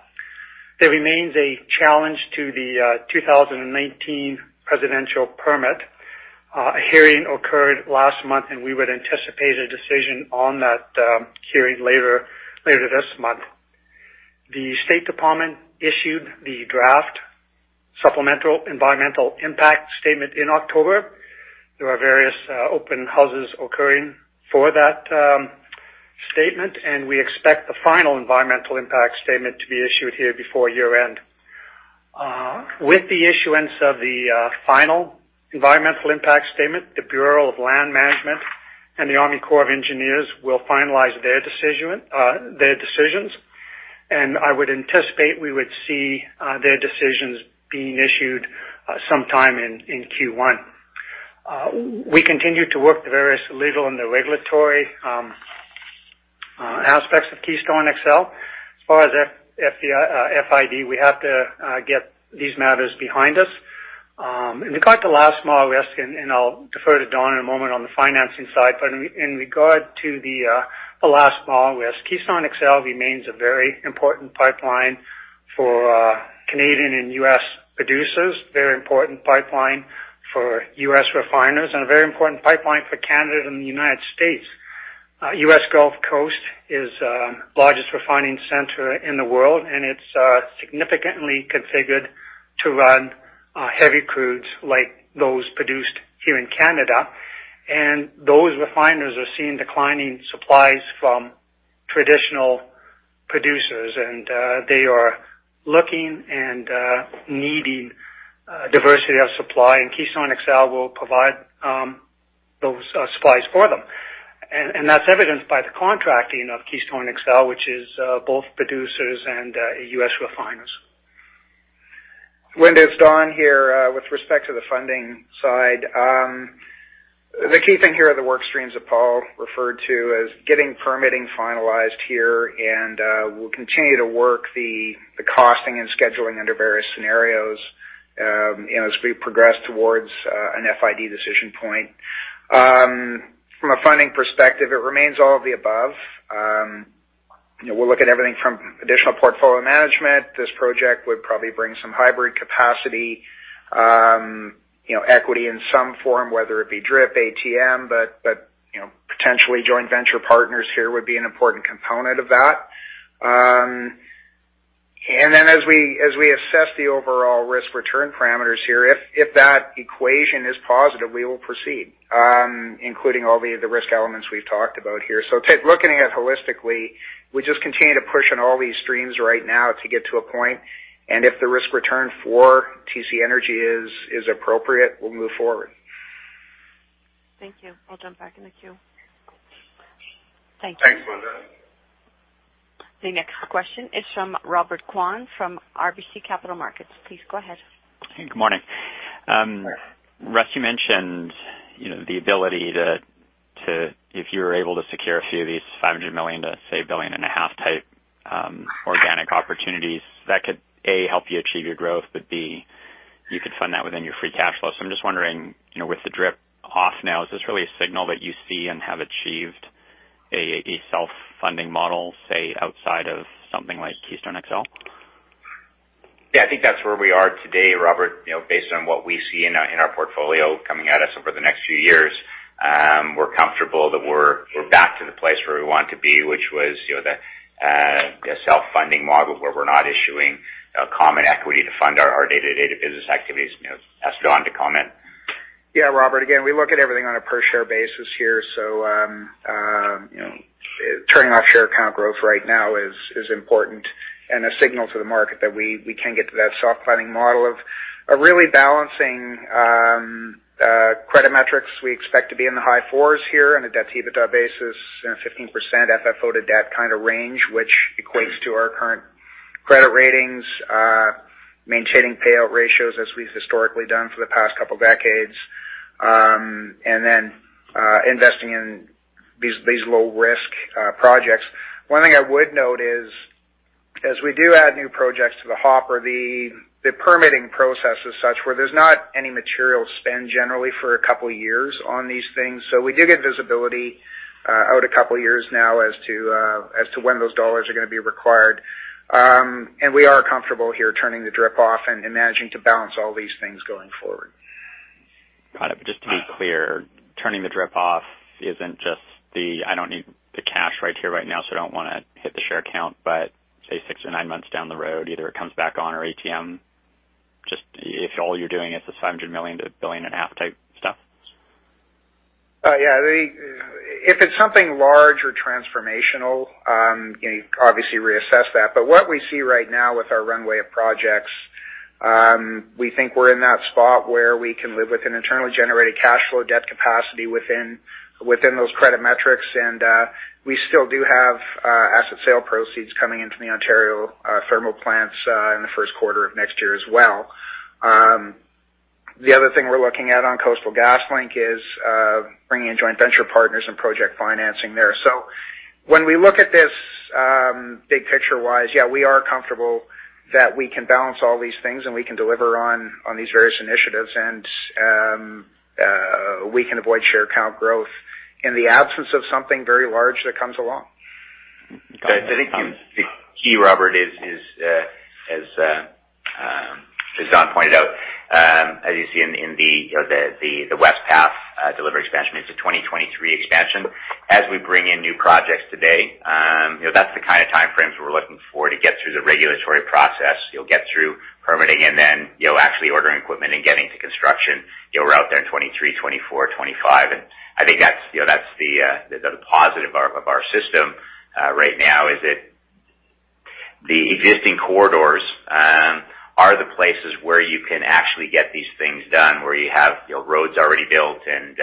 There remains a challenge to the 2019 presidential permit. A hearing occurred last month, and we would anticipate a decision on that hearing later this month. The State Department issued the draft supplemental environmental impact statement in October. There are various open houses occurring for that statement, and we expect the final environmental impact statement to be issued here before year-end. With the issuance of the final environmental impact statement, the Bureau of Land Management and the Army Corps of Engineers will finalize their decisions, and I would anticipate we would see their decisions being issued sometime in Q1. We continue to work the various legal and the regulatory aspects of Keystone XL. As far as FID, we have to get these matters behind us. In regard to last mile risk, and I'll defer to Don in a moment on the financing side, but in regard to the last mile risk, Keystone XL remains a very important pipeline for Canadian and U.S. producers, a very important pipeline for U.S. refiners, and a very important pipeline for Canada and the United States. U.S. Gulf Coast is the largest refining center in the world. It's significantly configured to run heavy crudes like those produced here in Canada. Those refiners are seeing declining supplies from traditional producers, and they are looking and needing diversity of supply, and Keystone XL will provide those supplies for them. That's evidenced by the contracting of Keystone XL, which is both producers and U.S. refiners. Linda, it's Don here. With respect to the funding side, the key thing here are the work streams that Paul referred to as getting permitting finalized here, and we'll continue to work the costing and scheduling under various scenarios as we progress towards an FID decision point. From a funding perspective, it remains all of the above. We'll look at everything from additional portfolio management. This project would probably bring some hybrid capacity, equity in some form, whether it be DRIP, ATM, but potentially joint venture partners here would be an important component of that. As we assess the overall risk-return parameters here, if that equation is positive, we will proceed, including all the risk elements we've talked about here. Looking at it holistically, we just continue to push on all these streams right now to get to a point. If the risk return for TC Energy is appropriate, we'll move forward. Thank you. I'll jump back in the queue. Thanks, Linda. The next question is from Robert Kwan from RBC Capital Markets. Please go ahead. Good morning. Russ, you mentioned the ability to, if you were able to secure a few of these 500 million to, say, 1.5 billion type organic opportunities that could, A, help you achieve your growth, but B, you could fund that within your free cash flow. I'm just wondering with the DRIP off now, is this really a signal that you see and have achieved a self-funding model, say, outside of something like Keystone XL? Yeah, I think that's where we are today, Robert. Based on what we see in our portfolio coming at us over the next few years, we're comfortable that we're back to the place where we want to be, which was the self-funding model where we're not issuing common equity to fund our day-to-day business activities. I'll ask Don to comment. Yeah. Robert, again, we look at everything on a per share basis here. Turning off share count growth right now is important and a signal to the market that we can get to that self-funding model of really balancing credit metrics. We expect to be in the high-4% here on a debt-EBITDA basis, 15% FFO to debt kind of range, which equates to our current credit ratings, maintaining payout ratios as we've historically done for the past couple of decades, and then investing in these low-risk projects. One thing I would note is as we do add new projects to the hopper, the permitting process is such where there's not any material spend generally for a couple of years on these things. We do get visibility out a couple of years now as to when those dollars are going to be required. We are comfortable here turning the DRIP off and managing to balance all these things going forward. Got it. Just to be clear, turning the DRIP off isn't just the, "I don't need the cash right here, right now, so I don't want to hit the share count," but say, six or nine months down the road, either it comes back on or ATM. Just if all you're doing is this 500 million-1.5 billion type stuff. Yeah. If it's something large or transformational, you obviously reassess that. What we see right now with our runway of projects, we think we're in that spot where we can live with an internally generated cash flow debt capacity within those credit metrics. We still do have asset sale proceeds coming into the Ontario thermal plants in the first quarter of next year as well. The other thing we're looking at on Coastal GasLink is bringing in joint venture partners and project financing there. When we look at this big picture-wise, yeah, we are comfortable that we can balance all these things, and we can deliver on these various initiatives, and we can avoid share count growth in the absence of something very large that comes along. I think the key, Robert, is, as Don pointed out, as you see in the West Path Delivery expansion, it's a 2023 expansion. As we bring in new projects today, that's the kind of time frames we're looking for to get through the regulatory process. You'll get through permitting and then actually ordering equipment and getting to construction. We're out there in 2023, 2024, 2025. I think that's the positive of our system right now, is that the existing corridors are the places where you can actually get these things done, where you have roads already built and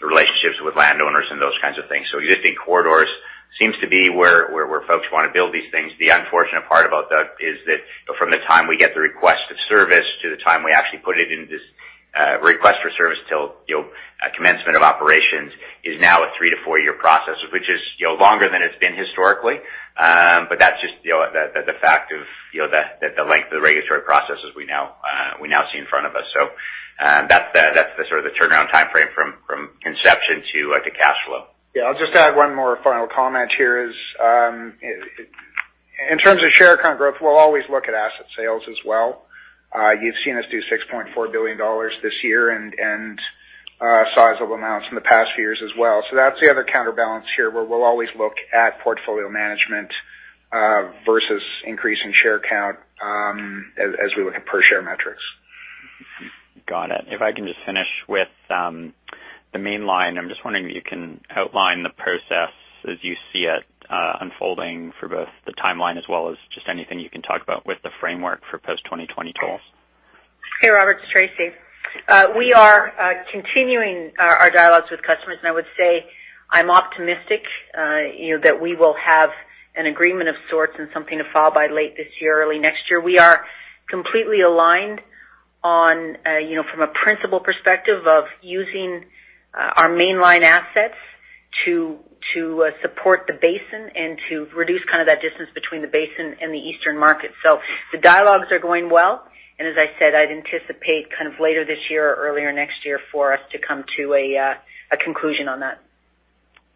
relationships with landowners and those kinds of things. Existing corridors seems to be where folks want to build these things. The unfortunate part about that is that from the time we get the request of service to the time we actually put it in this request for service till commencement of operations is now a three to four-year process, which is longer than it's been historically. That's just the fact of the length of the regulatory processes we now see in front of us. That's the sort of the turnaround time frame from inception to cash flow. Yeah. I'll just add one more final comment here is, in terms of share count growth, we'll always look at asset sales as well. You've seen us do 6.4 billion dollars this year and sizable amounts in the past few years as well. That's the other counterbalance here, where we'll always look at portfolio management versus increase in share count as we look at per-share metrics. Got it. If I can just finish with the Mainline, I'm just wondering if you can outline the process as you see it unfolding for both the timeline as well as just anything you can talk about with the framework for post-2020 tolls. Hey, Robert. It's Tracy. We are continuing our dialogues with customers, and I would say I'm optimistic that we will have an agreement of sorts and something to file by late this year, early next year. We are completely aligned from a principal perspective of using our mainline assets to support the basin and to reduce that distance between the basin and the eastern market. The dialogues are going well. As I said, I'd anticipate kind of later this year or earlier next year for us to come to a conclusion on that.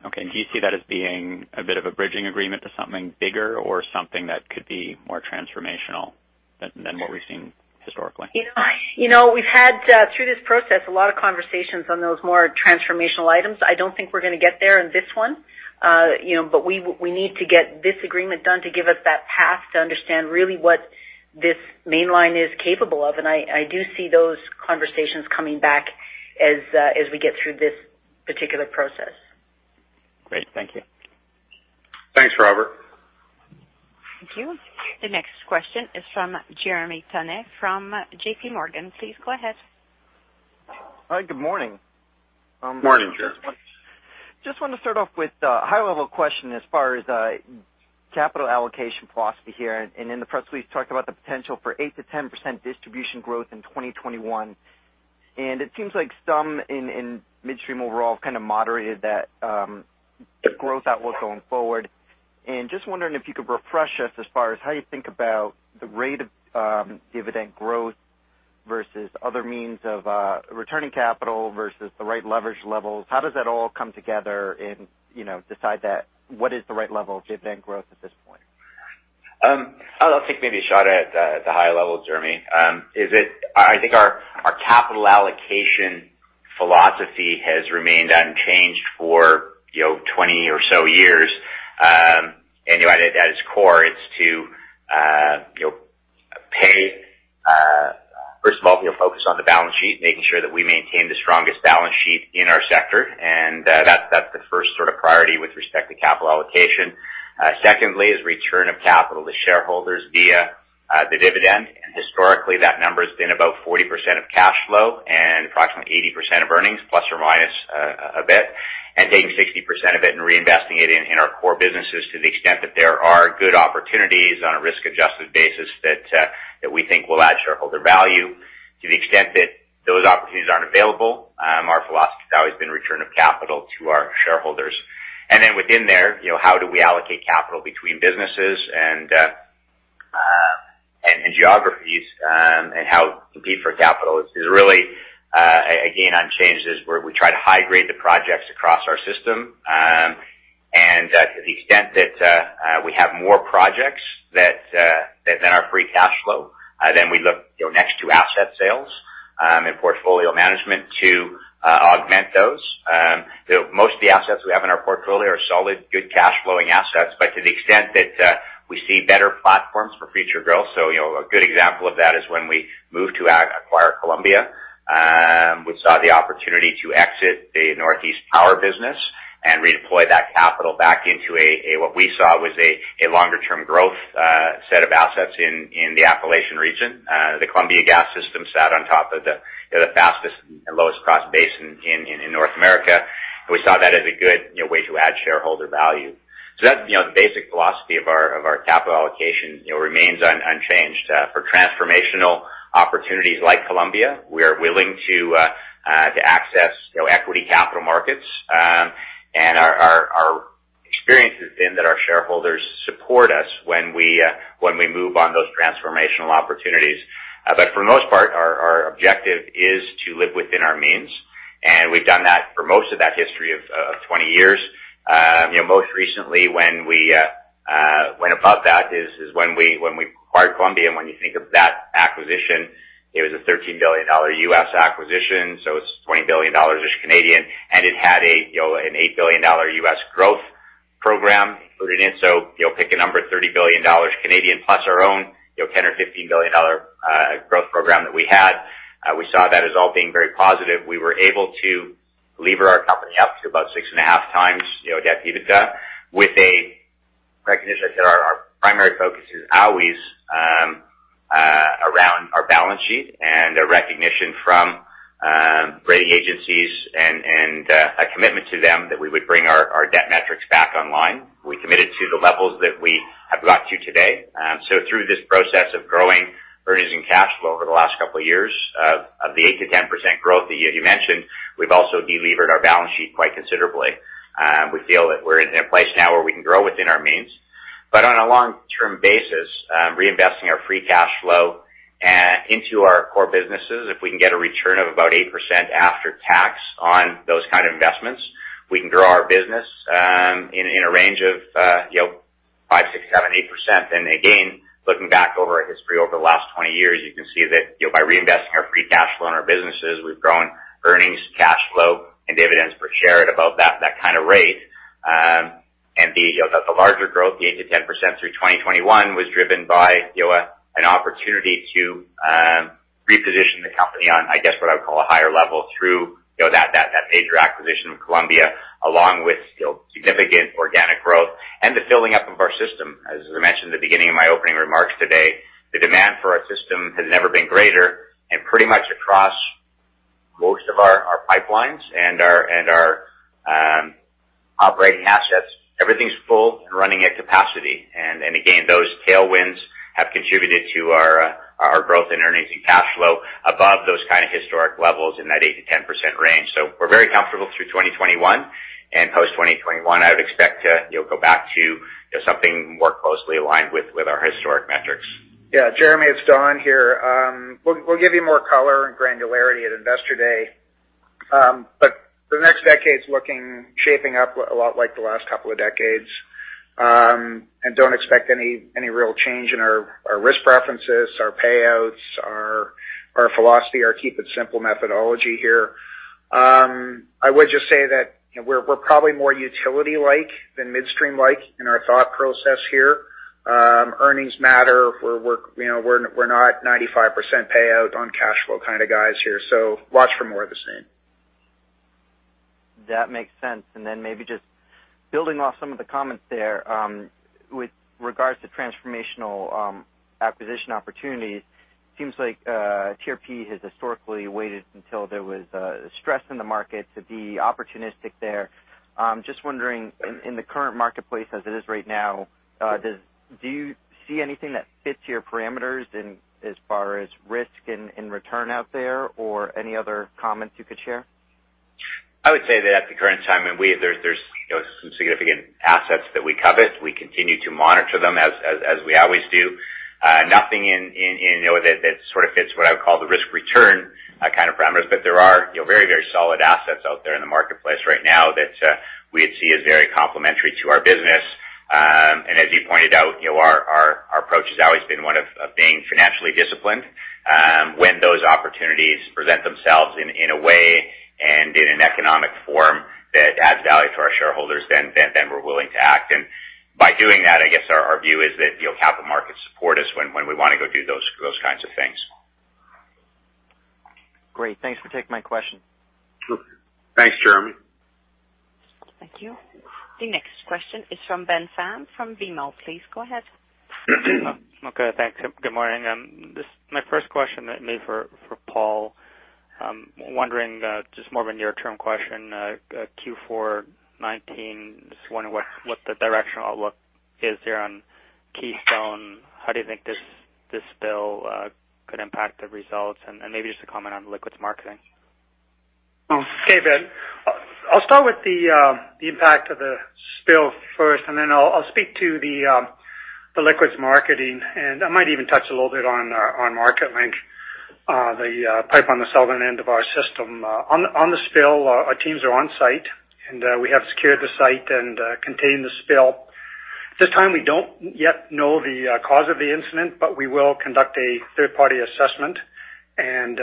Okay. Do you see that as being a bit of a bridging agreement to something bigger or something that could be more transformational than what we've seen historically? We've had, through this process, a lot of conversations on those more transformational items. I don't think we're going to get there in this one. We need to get this agreement done to give us that path to understand really what this mainline is capable of. I do see those conversations coming back as we get through this particular process. Great. Thank you. Thanks, Robert. Thank you. The next question is from Jeremy Tonet from JPMorgan. Please go ahead. Hi. Good morning. Morning, Jeremy. Just want to start off with a high-level question as far as capital allocation philosophy here, and in the press release, talked about the potential for 8%-10% distribution growth in 2021. It seems like some in midstream overall kind of moderated that growth outlook going forward. Just wondering if you could refresh us as far as how you think about the rate of dividend growth versus other means of returning capital versus the right leverage levels. How does that all come together and decide what is the right level of dividend growth at this point? I'll take maybe a shot at the high level, Jeremy. I think our capital allocation philosophy has remained unchanged for 20 or so years. At its core, it's to focus on the balance sheet, making sure that we maintain the strongest balance sheet in our sector, and that's the first sort of priority with respect to capital allocation. Secondly, is return of capital to shareholders via the dividend. Historically, that number has been about 40% of cash flow and approximately 80% of earnings plus or minus a bit, and taking 60% of it and reinvesting it in our core businesses to the extent that there are good opportunities on a risk-adjusted basis that we think will add shareholder value. To the extent that those opportunities aren't available, our philosophy has always been return of capital to our shareholders. Within there, how do we allocate capital between businesses and geographies and how compete for capital is really again unchanged is where we try to high grade the projects across our system. To the extent that we have more projects than our free cash flow, then we look next to asset sales and portfolio management to augment those. Most of the assets we have in our portfolio are solid, good cash flowing assets, but to the extent that we see better platforms for future growth, a good example of that is when we moved to acquire Columbia. We saw the opportunity to exit the Northeast power business and redeploy that capital back into a longer-term growth set of assets in the Appalachian region. The Columbia gas system sat on top of the fastest and lowest cost base in North America. We saw that as a good way to add shareholder value. That's the basic philosophy of our capital allocation, remains unchanged. For transformational opportunities like Columbia, we are willing to access equity capital markets. Our experience has been that our shareholders support us when we move on those transformational opportunities. For the most part, our objective is to live within our means, and we've done that for most of that history of 20 years. Most recently when above that is when we acquired Columbia, and when you think of that acquisition, it was a $13 billion acquisition, so it's 20 billion Canadian dollars, and it had an $8 billion growth program included in. Pick a number, 30 billion Canadian dollars plus our own 10 billion or 15 billion dollar growth program that we had. We saw that as all being very positive. We were able to lever our company up to about 6.5x debt-EBITDA with a recognition that our primary focus is always around our balance sheet and a recognition from rating agencies and a commitment to them that we would bring our debt metrics back online. We committed to the levels that we have got to today. Through this process of growing earnings and cash flow over the last couple of years of the 8%-10% growth that you mentioned, we've also de-levered our balance sheet quite considerably. We feel that we're in a place now where we can grow within our means. On a long-term basis, reinvesting our free cash flow into our core businesses, if we can get a return of about 8% after tax on those kinds of investments, we can grow our business in a range of 5%, 6%, 7%, 8%. Again, looking back over our history over the last 20 years, you can see that by reinvesting our free cash flow in our businesses, we've grown earnings, cash flow, and dividends per share at about that kind of rate. The larger growth, the 8%-10% through 2021, was driven by an opportunity to reposition the company on, I guess what I would call a higher level through that major acquisition of Columbia, along with still significant organic growth and the filling up of our system. As I mentioned at the beginning of my opening remarks today, the demand for our system has never been greater and pretty much across most of our pipelines and our operating assets. Everything's full and running at capacity. Again, those tailwinds have contributed to our growth in earnings and cash flow above those kinds of historic levels in that 8%-10% range. We're very comfortable through 2021. Post-2021, I would expect to go back to something more closely aligned with our historic metrics. Yeah, Jeremy, it's Don here. We'll give you more color and granularity at Investor Day. The next decade's looking, shaping up a lot like the last couple of decades. Don't expect any real change in our risk preferences, our payouts, our philosophy, our keep it simple methodology here. I would just say that we're probably more utility-like than midstream-like in our thought process here. Earnings matter. We're not 95% payout on cash flow kind of guys here. Watch for more of the same. That makes sense. Maybe just building off some of the comments there, with regards to transformational acquisition opportunities, seems like TRP has historically waited until there was stress in the market to be opportunistic there. Just wondering, in the current marketplace as it is right now, do you see anything that fits your parameters as far as risk and return out there, or any other comments you could share? I would say that at the current time, there's some significant assets that we covet. We continue to monitor them as we always do. Nothing in there that sort of fits what I would call the risk-return kind of parameters. There are very solid assets out there in the marketplace right now that we'd see as very complementary to our business. As you pointed out, our approach has always been one of being financially disciplined. When those opportunities present themselves in a way and in an economic form that adds value to our shareholders, then we're willing to act. By doing that, I guess our view is that capital markets support us when we want to go do those kinds of things. Great. Thanks for taking my question. Thanks, Jeremy. Thank you. The next question is from Ben Pham from BMO. Please go ahead. Okay, thanks. Good morning. My first question maybe for Paul. Wondering, just more of a near-term question, Q4 2019, just wondering what the directional outlook is there on Keystone. How do you think this spill could impact the results? Maybe just a comment on liquids marketing. Okay, Ben. I'll start with the impact of the spill first, and then I'll speak to the liquids marketing, and I might even touch a little bit on Marketlink, the pipe on the southern end of our system. On the spill, our teams are on site, and we have secured the site and contained the spill. At this time, we don't yet know the cause of the incident, but we will conduct a third-party assessment and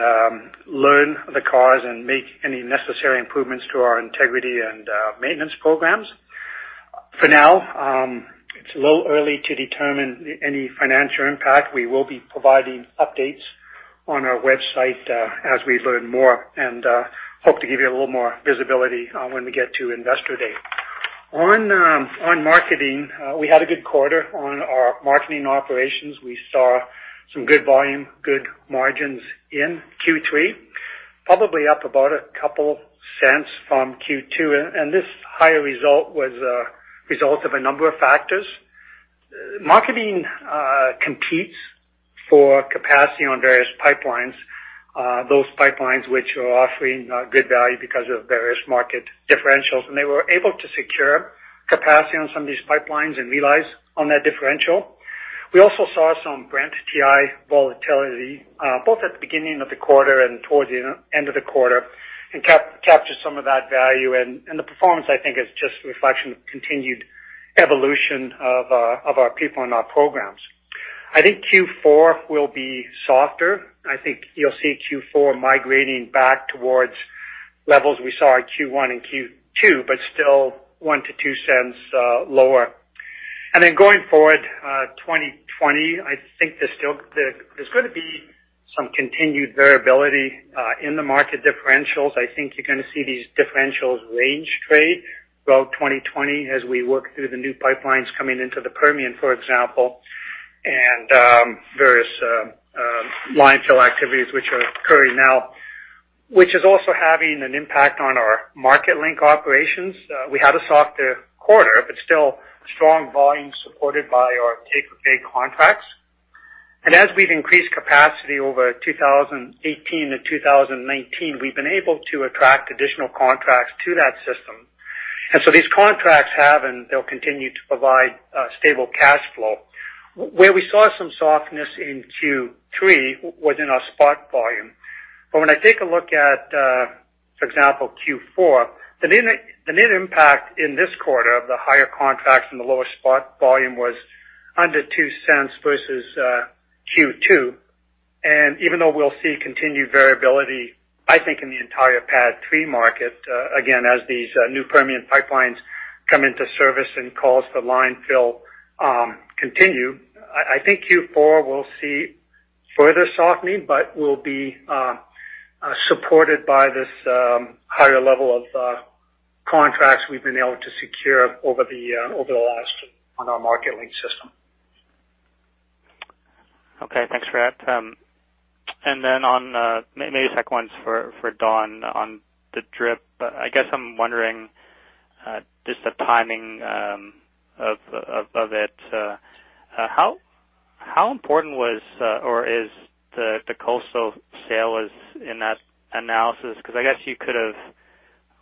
learn the cause and make any necessary improvements to our integrity and maintenance programs. For now, it's a little early to determine any financial impact. We will be providing updates on our website as we learn more and hope to give you a little more visibility when we get to Investor Day. On marketing, we had a good quarter on our marketing operations. We saw some good volume, good margins in Q3, probably up about a couple cents from Q2. This higher result was a result of a number of factors. Marketing competes for capacity on various pipelines, those pipelines which are offering good value because of various market differentials. They were able to secure capacity on some of these pipelines and realize on that differential. We also saw some Brent/WTI volatility, both at the beginning of the quarter and towards the end of the quarter, captured some of that value, the performance, I think, is just a reflection of continued evolution of our people and our programs. I think Q4 will be softer. I think you'll see Q4 migrating back towards levels we saw at Q1 and Q2, but still 0.01-0.02 lower. Going forward, 2020, I think there's going to be some continued variability in the market differentials. I think you're going to see these differentials range trade throughout 2020 as we work through the new pipelines coming into the Permian, for example, and various line fill activities which are occurring now, which is also having an impact on our Marketlink operations. We had a softer quarter, but still strong volume supported by our take-or-pay contracts. As we've increased capacity over 2018-2019, we've been able to attract additional contracts to that system. These contracts have, and they'll continue to provide stable cash flow. Where we saw some softness in Q3 was in our spot volume. When I take a look at, for example, Q4, the net impact in this quarter of the higher contracts and the lower spot volume was under 0.02 versus Q2. Even though we'll see continued variability, I think, in the entire PADD 3 market, again, as these new Permian pipelines come into service and cause the line fill continue, I think Q4 will see further softening, but will be supported by this higher level of contracts we've been able to secure over the last on our Marketlink system. Okay, thanks for that. Maybe a sec one for Don on the DRIP. I guess I'm wondering just the timing of it. How important was or is the Coastal sale in that analysis? I guess you could have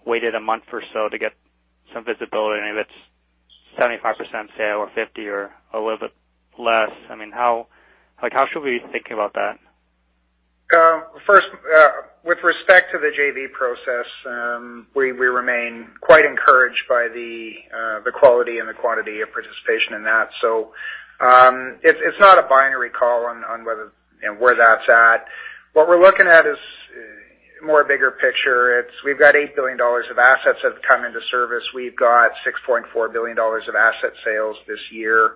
waited a month or so to get some visibility, maybe it's 75% sale or 50% or a little bit less. How should we think about that? First, with respect to the JV process, we remain quite encouraged by the quality and the quantity of participation in that. It's not a binary call on where that's at. What we're looking at is more bigger picture. We've got 8 billion dollars of assets that have come into service. We've got 6.4 billion dollars of asset sales this year.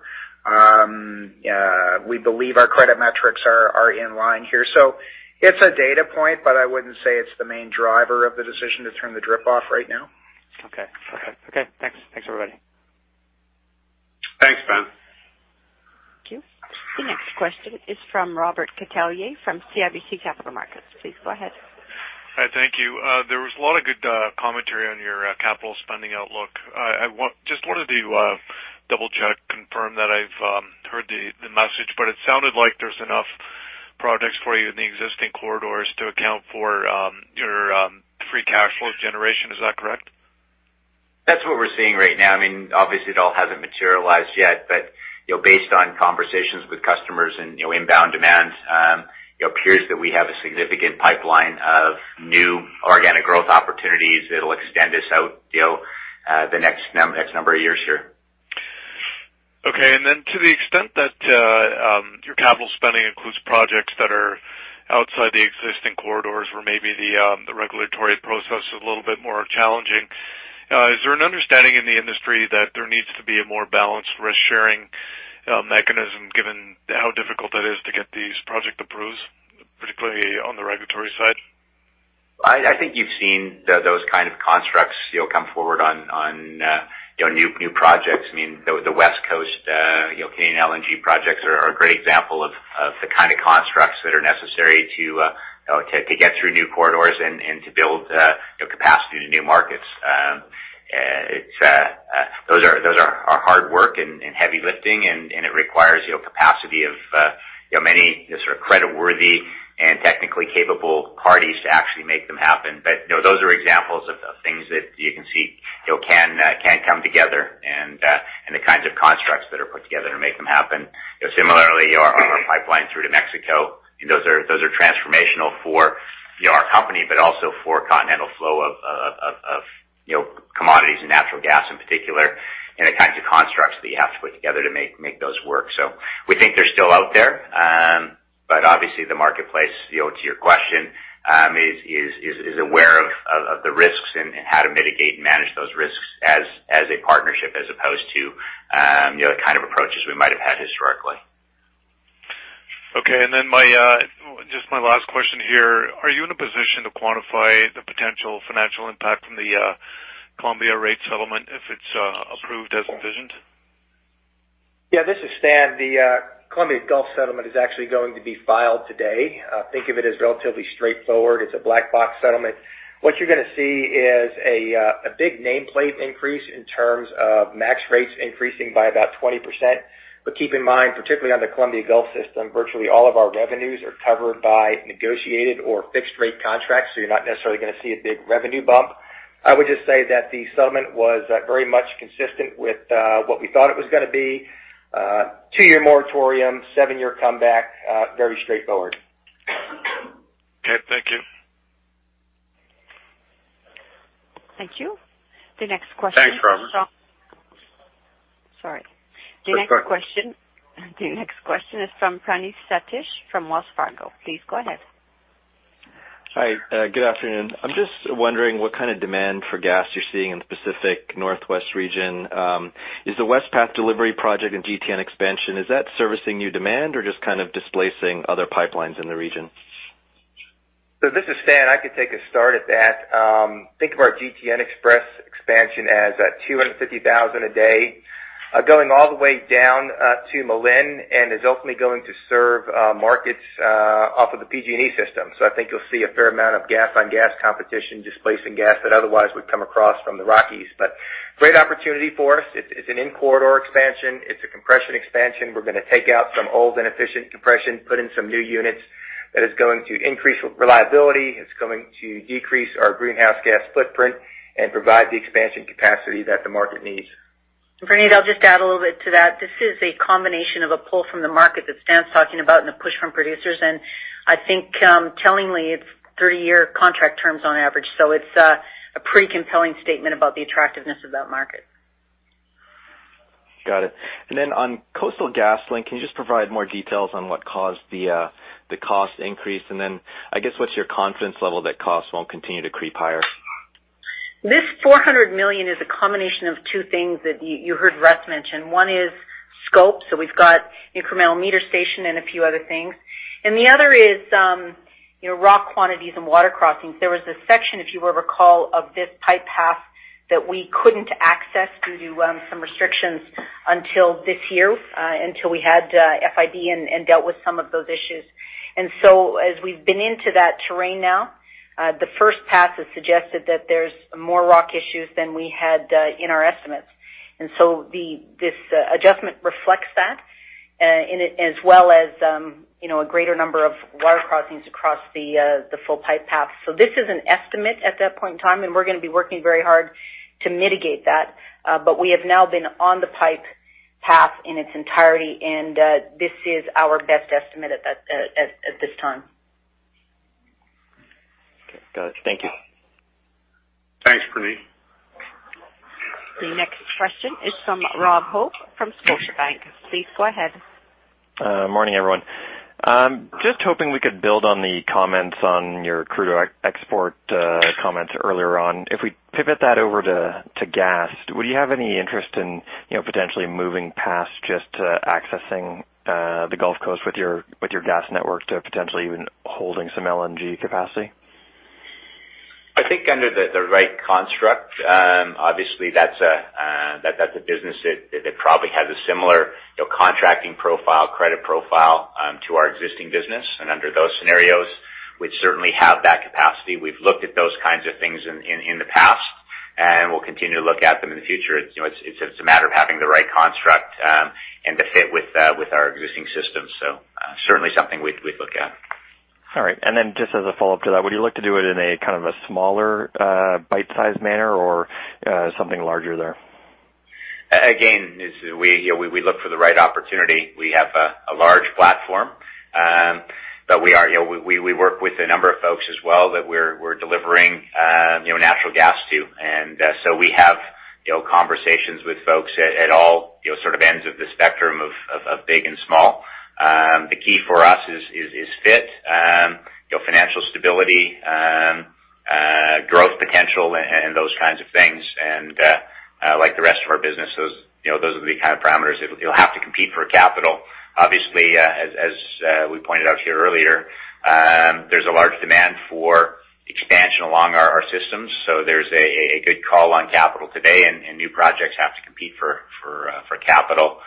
We believe our credit metrics are in line here. It's a data point, but I wouldn't say it's the main driver of the decision to turn the DRIP off right now. Okay. Thanks, everybody. Thanks, Ben. Thank you. The next question is from Robert Catellier from CIBC Capital Markets. Please go ahead. Hi, thank you. There was a lot of good commentary on your capital spending outlook. I just wanted to double-check, confirm that I've heard the message. It sounded like there's enough projects for you in the existing corridors to account for your free cash flow generation. Is that correct? That's what we're seeing right now. Obviously, it all hasn't materialized yet, but based on conversations with customers and inbound demands, it appears that we have a significant pipeline of new organic growth opportunities that'll extend us out the next number of years here. Okay. To the extent that your capital spending includes projects that are outside the existing corridors, where maybe the regulatory process is a little bit more challenging, is there an understanding in the industry that there needs to be a more balanced risk-sharing mechanism, given how difficult it is to get these projects approved, particularly on the regulatory side? I think you've seen those kind of constructs come forward on new projects. The West Coast Canadian LNG projects are a great example of the kind of constructs that are necessary to get through new corridors and to build capacity to new markets. Those are hard work and heavy lifting, and it requires capacity of many sort of creditworthy and technically capable parties to actually make them happen. Those are examples of things that you can see can come together, and the kinds of constructs that are put together to make them happen. Similarly, our pipeline through to Mexico, those are transformational for our company, but also for continental flow of commodities and natural gas in particular, and the kinds of constructs that you have to put together to make those work. We think they're still out there. Obviously, the marketplace, to your question, is aware of the risks and how to mitigate and manage those risks as a partnership, as opposed to the kind of approaches we might have had historically. Okay. Just my last question here, are you in a position to quantify the potential financial impact from the Columbia rate settlement if it's approved as envisioned? Yeah, this is Stan. The Columbia Gulf settlement is actually going to be filed today. Think of it as relatively straightforward. It's a black box settlement. What you're going to see is a big nameplate increase in terms of max rates increasing by about 20%. Keep in mind, particularly on the Columbia Gulf system, virtually all of our revenues are covered by negotiated or fixed-rate contracts, so you're not necessarily going to see a big revenue bump. I would just say that the settlement was very much consistent with what we thought it was going to be. Two-year moratorium, seven-year comeback. Very straightforward. Okay. Thank you. Thank you. The next question. Thanks, Robert. Sorry. That's all right. The next question is from Praneeth Satish from Wells Fargo. Please go ahead. Hi. Good afternoon. I'm just wondering what kind of demand for gas you're seeing in the Pacific Northwest region? Is the West Path Delivery project and GTN expansion, is that servicing new demand or just kind of displacing other pipelines in the region? This is Stan. I could take a start at that. Think of our GTN XPress expansion as 250,000 a day, going all the way down to Malin, and is ultimately going to serve markets off of the PG&E system. I think you'll see a fair amount of gas-on-gas competition displacing gas that otherwise would come across from the Rockies. Great opportunity for us. It's an in-corridor expansion. It's a compression expansion. We're going to take out some old inefficient compression, put in some new units. That is going to increase reliability. It's going to decrease our greenhouse gas footprint and provide the expansion capacity that the market needs. Praneeth, I'll just add a little bit to that. This is a combination of a pull from the market that Stan's talking about and a push from producers. I think tellingly, it's 30-year contract terms on average. It's a pretty compelling statement about the attractiveness of that market. Got it. On Coastal GasLink, can you just provide more details on what caused the cost increase? I guess, what's your confidence level that costs won't continue to creep higher? This 400 million is a combination of two things that you heard Russ mentioned. One is scope, we've got incremental meter station and a few other things. The other is rock quantities and water crossings. There was a section, if you will recall, of this pipe path that we couldn't access due to some restrictions until this year, until we had FID and dealt with some of those issues. As we've been into that terrain now, the first pass has suggested that there's more rock issues than we had in our estimates. This adjustment reflects that. As well as a greater number of water crossings across the full pipe path. This is an estimate at that point in time, and we're going to be working very hard to mitigate that. We have now been on the pipe path in its entirety, and this is our best estimate at this time. Okay, got it. Thank you. Thanks, Praneeth. The next question is from Rob Hope from Scotiabank. Please go ahead. Morning, everyone. Just hoping we could build on the comments on your crude oil export comments earlier on. If we pivot that over to gas, would you have any interest in potentially moving past just accessing the Gulf Coast with your gas network to potentially even holding some LNG capacity? I think under the right construct, obviously that's a business that probably has a similar contracting profile, credit profile to our existing business. Under those scenarios, we'd certainly have that capacity. We've looked at those kinds of things in the past, and we'll continue to look at them in the future. It's a matter of having the right construct and the fit with our existing system. Certainly something we'd look at. All right. Just as a follow-up to that, would you look to do it in a smaller, bite-sized manner or something larger there? Again, we look for the right opportunity. We have a large platform. We work with a number of folks as well that we're delivering natural gas to. We have conversations with folks at all ends of the spectrum of big and small. The key for us is fit, financial stability, growth potential, and those kinds of things. Like the rest of our businesses, those will be parameters. You'll have to compete for capital. Obviously, as we pointed out here earlier, there's a large demand for expansion along our systems. There's a good call on capital today, and new projects have to compete for capital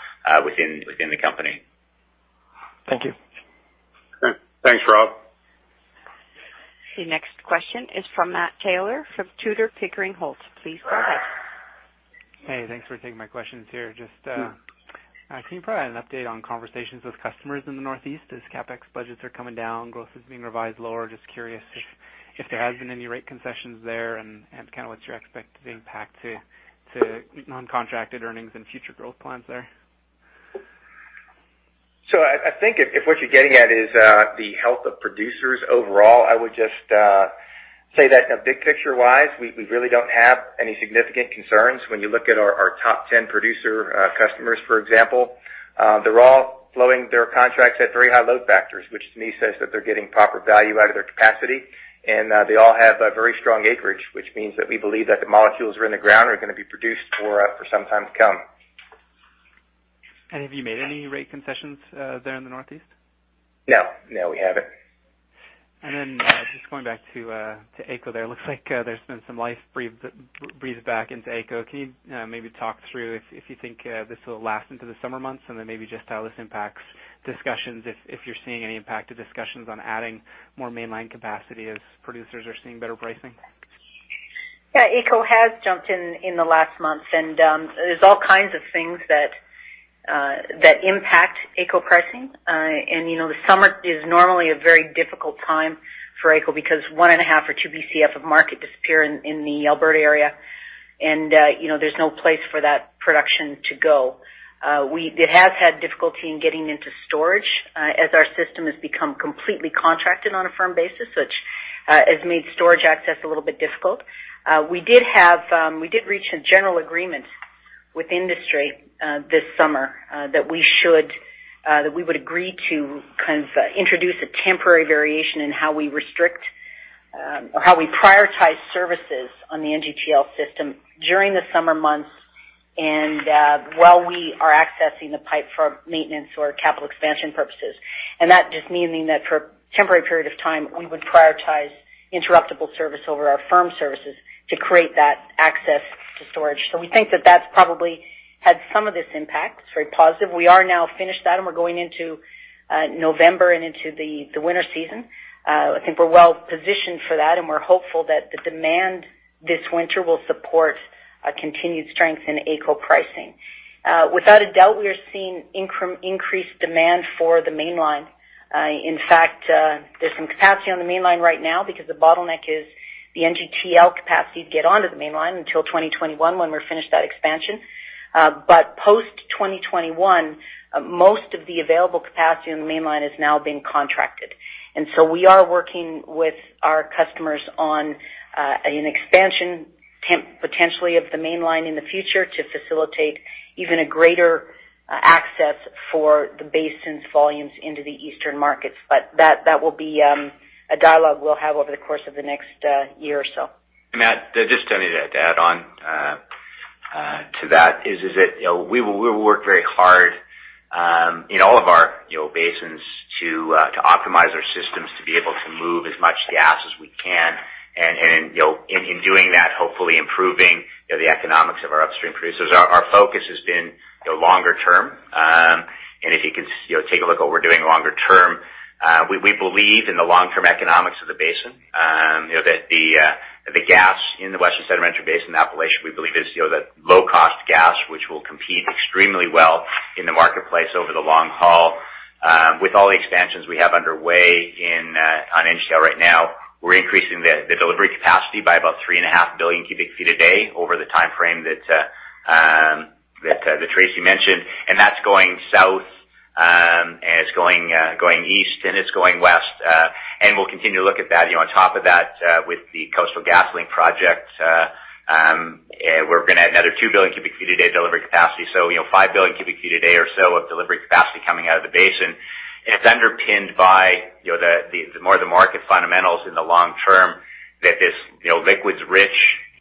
within the company. Thank you. Thanks, Rob. The next question is from Matt Taylor from Tudor, Pickering, Holt. Please go ahead. Hey, thanks for taking my questions here. Sure. Just can you provide an update on conversations with customers in the Northeast as CapEx budgets are coming down, growth is being revised lower. Just curious if there has been any rate concessions there and what's your expected impact to non-contracted earnings and future growth plans there? I think if what you're getting at is the health of producers overall, I would just say that big picture-wise, we really don't have any significant concerns. When you look at our top 10 producer customers, for example, they're all flowing their contracts at very high load factors, which to me says that they're getting proper value out of their capacity. They all have a very strong acreage, which means that we believe that the molecules that are in the ground are going to be produced for some time to come. Have you made any rate concessions there in the Northeast? No. No, we haven't. Just going back to AECO there. Looks like there's been some life breathed back into AECO. Can you maybe talk through if you think this will last into the summer months? Maybe just how this impacts discussions, if you're seeing any impact to discussions on adding more mainline capacity as producers are seeing better pricing. Yeah, AECO has jumped in the last month. There's all kinds of things that impact AECO pricing. The summer is normally a very difficult time for AECO because one and a half or two BCF of market disappear in the Alberta area. There's no place for that production to go. It has had difficulty in getting into storage as our system has become completely contracted on a firm basis, which has made storage access a little bit difficult. We did reach a general agreement with industry this summer that we would agree to introduce a temporary variation in how we restrict or how we prioritize services on the NGTL system during the summer months while we are accessing the pipe for maintenance or capital expansion purposes. That just meaning that for a temporary period of time, we would prioritize interruptible service over our firm services to create that access to storage. We think that that's probably had some of this impact. It's very positive. We are now finished that, and we're going into November and into the winter season. I think we're well-positioned for that, and we're hopeful that the demand this winter will support a continued strength in AECO pricing. Without a doubt, we are seeing increased demand for the Mainline. In fact, there's some capacity on the Mainline right now because the bottleneck is the NGTL capacity to get onto the Mainline until 2021 when we're finished that expansion. Post-2021, most of the available capacity on the Mainline is now being contracted. We are working with our customers on an expansion potentially of the Mainline in the future to facilitate even a greater access for the Basin's volumes into the eastern markets. That will be a dialogue we'll have over the course of the next year or so. Matt, just to add on to that is that we will work very hard in all of our basins to optimize our systems to be able to move as much gas as we can. In doing that, hopefully improving the economics of our upstream producers. Our focus has been longer term. If you can take a look at what we're doing longer term. We believe in the long-term economics of the basin. That the gas in the Western Sedimentary Basin in Appalachia, we believe is the low-cost gas, which will compete extremely well in the marketplace over the long haul. With all the expansions we have underway on NGTL right now, we're increasing the delivery capacity by about 3.5 billion cubic feet a day over the timeframe that Tracy mentioned, and that's going south, and it's going east, and it's going west. We'll continue to look at that. On top of that, with the Coastal GasLink project, we're going to add another 2 billion cubic feet a day delivery capacity. Five billion cubic feet a day or so of delivery capacity coming out of the basin. It's underpinned by more of the market fundamentals in the long term that this liquids-rich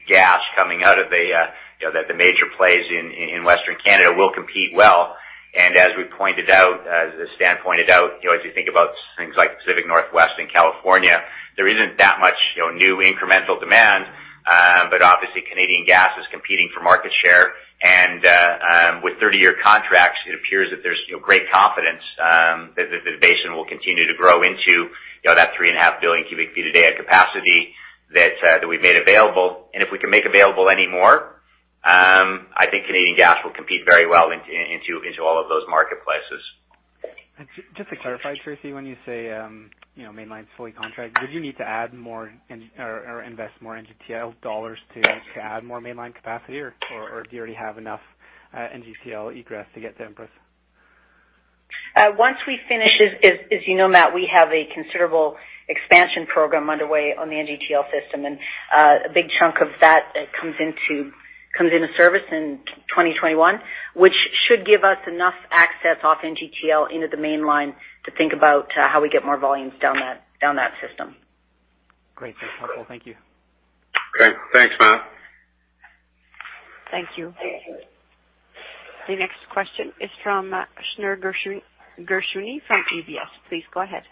gas coming out of the major plays in Western Canada will compete well. As we pointed out, as Stan pointed out, as you think about things like Pacific Northwest and California, there isn't that much new incremental demand. Obviously Canadian gas is competing for market share. With 30-year contracts, it appears that there's great confidence that the basin will continue to grow into that 3.5 billion cubic feet a day capacity that we've made available. If we can make available any more, I think Canadian gas will compete very well into all of those marketplaces. Just to clarify, Tracy, when you say Mainline's fully contracted, would you need to add more or invest more NGTL dollars to add more Mainline capacity, or do you already have enough NGTL egress to get to them? Once we finish, as you know, Matt, we have a considerable expansion program underway on the NGTL system. A big chunk of that comes into service in 2021, which should give us enough access off NGTL into the Mainline to think about how we get more volumes down that system. Great. That's helpful. Thank you. Okay. Thanks, Matt. Thank you. The next question is from Shneur Gershuni from UBS. Please go ahead.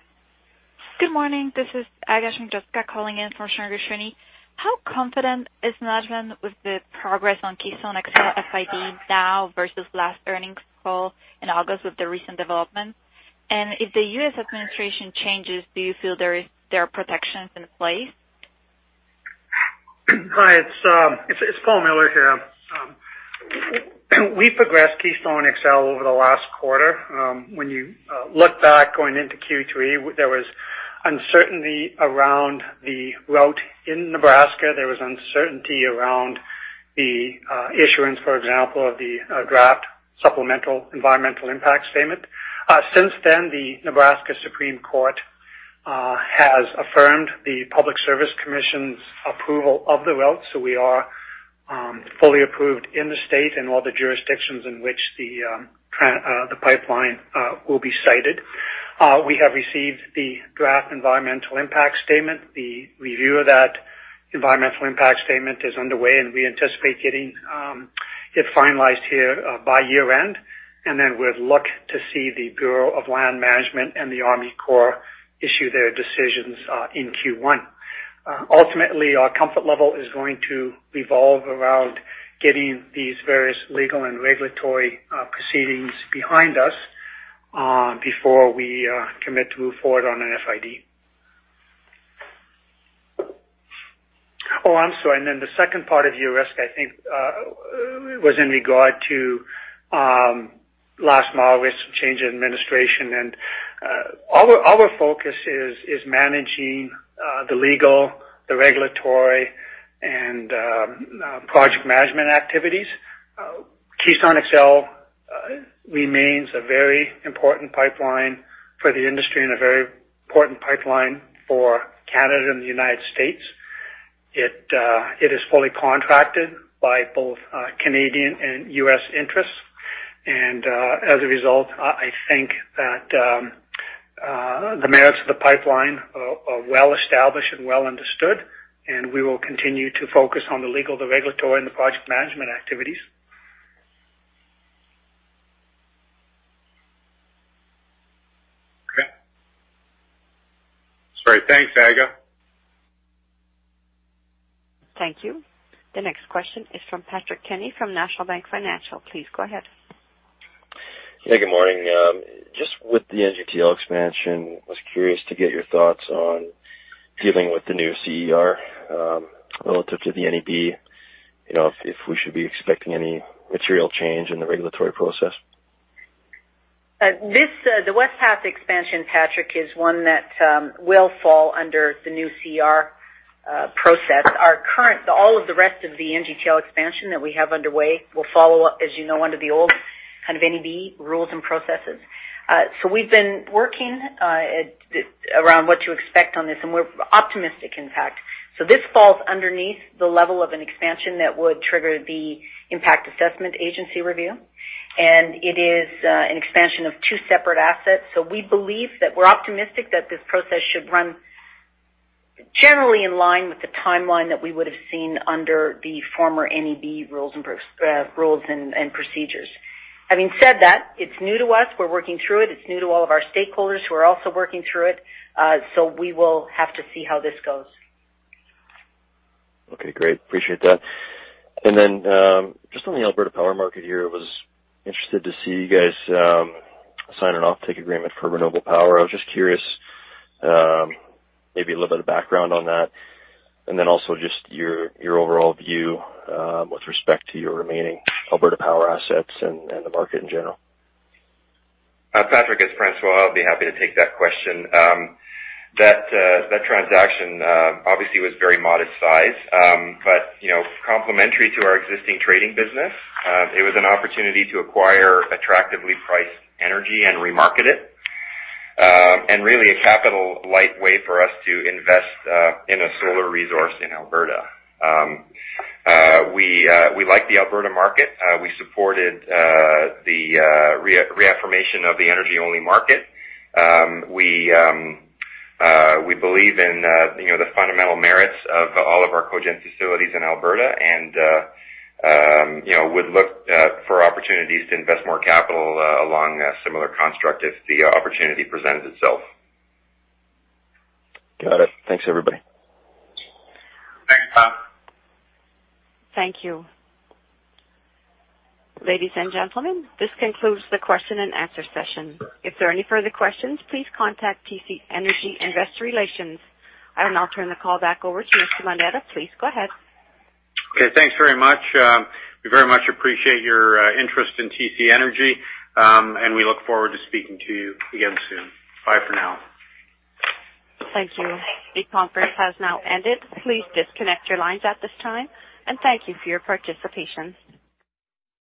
Good morning. This is calling in for Shneur Gershuni. How confident is management with the progress on Keystone XL FID now versus last earnings call in August with the recent developments? If the U.S. administration changes, do you feel there are protections in place? Hi, it's Paul Miller here. We've progressed Keystone XL over the last quarter. When you look back going into Q3, there was uncertainty around the route in Nebraska. There was uncertainty around the issuance, for example, of the draft Supplemental Environmental Impact Statement. Since then, the Nebraska Supreme Court has affirmed the Public Service Commission's approval of the route, so we are fully approved in the state and all the jurisdictions in which the pipeline will be sited. We have received the draft Environmental Impact Statement. The review of that Environmental Impact Statement is underway, and we anticipate getting it finalized here by year-end, and then we'd look to see the Bureau of Land Management and the Army Corps issue their decisions in Q1. Ultimately, our comfort level is going to revolve around getting these various legal and regulatory proceedings behind us before we commit to move forward on an FID. I'm sorry. The second part of your risk, I think, was in regard to last mile risk change in administration. Our focus is managing the legal, the regulatory, and project management activities. Keystone XL remains a very important pipeline for the industry and a very important pipeline for Canada and the United States. It is fully contracted by both Canadian and U.S. interests. As a result, I think that the merits of the pipeline are well established and well understood, and we will continue to focus on the legal, the regulatory, and the project management activities. Okay. Sorry. Thanks, Aga. Thank you. The next question is from Patrick Kenny from National Bank Financial. Please go ahead. Yeah, good morning. Just with the NGTL expansion, was curious to get your thoughts on dealing with the new CER, relative to the NEB. If we should be expecting any material change in the regulatory process. The West Path expansion, Patrick, is one that will fall under the new CER process. All of the rest of the NGTL expansion that we have underway will follow, as you know, under the old NEB rules and processes. We've been working around what to expect on this, and we're optimistic, in fact. This falls underneath the level of an expansion that would trigger the Impact Assessment Agency review. It is an expansion of two separate assets. We believe that we're optimistic that this process should run generally in line with the timeline that we would have seen under the former NEB rules and procedures. Having said that, it's new to us. We're working through it. It's new to all of our stakeholders who are also working through it. We will have to see how this goes. Okay, great. Appreciate that. Just on the Alberta power market here, was interested to see you guys sign an offtake agreement for renewable power. I was just curious, maybe a little bit of background on that, and then also just your overall view with respect to your remaining Alberta power assets and the market in general. Patrick, it's François. I'll be happy to take that question. That transaction obviously was very modest size. Complementary to our existing trading business, it was an opportunity to acquire attractively priced energy and remarket it, really a capital-light way for us to invest in a solar resource in Alberta. We like the Alberta market. We supported the reaffirmation of the energy-only market. We believe in the fundamental merits of all of our Cogencis facilities in Alberta, would look for opportunities to invest more capital along a similar construct if the opportunity presents itself. Got it. Thanks, everybody. Thanks, Patrick. Thank you. Ladies and gentlemen, this concludes the question-and-answer session. If there are any further questions, please contact TC Energy Investor Relations. I will now turn the call back over to Mr. Moneta. Please go ahead. Okay, thanks very much. We very much appreciate your interest in TC Energy, and we look forward to speaking to you again soon. Bye for now. Thank you. The conference has now ended. Please disconnect your lines at this time, and thank you for your participation.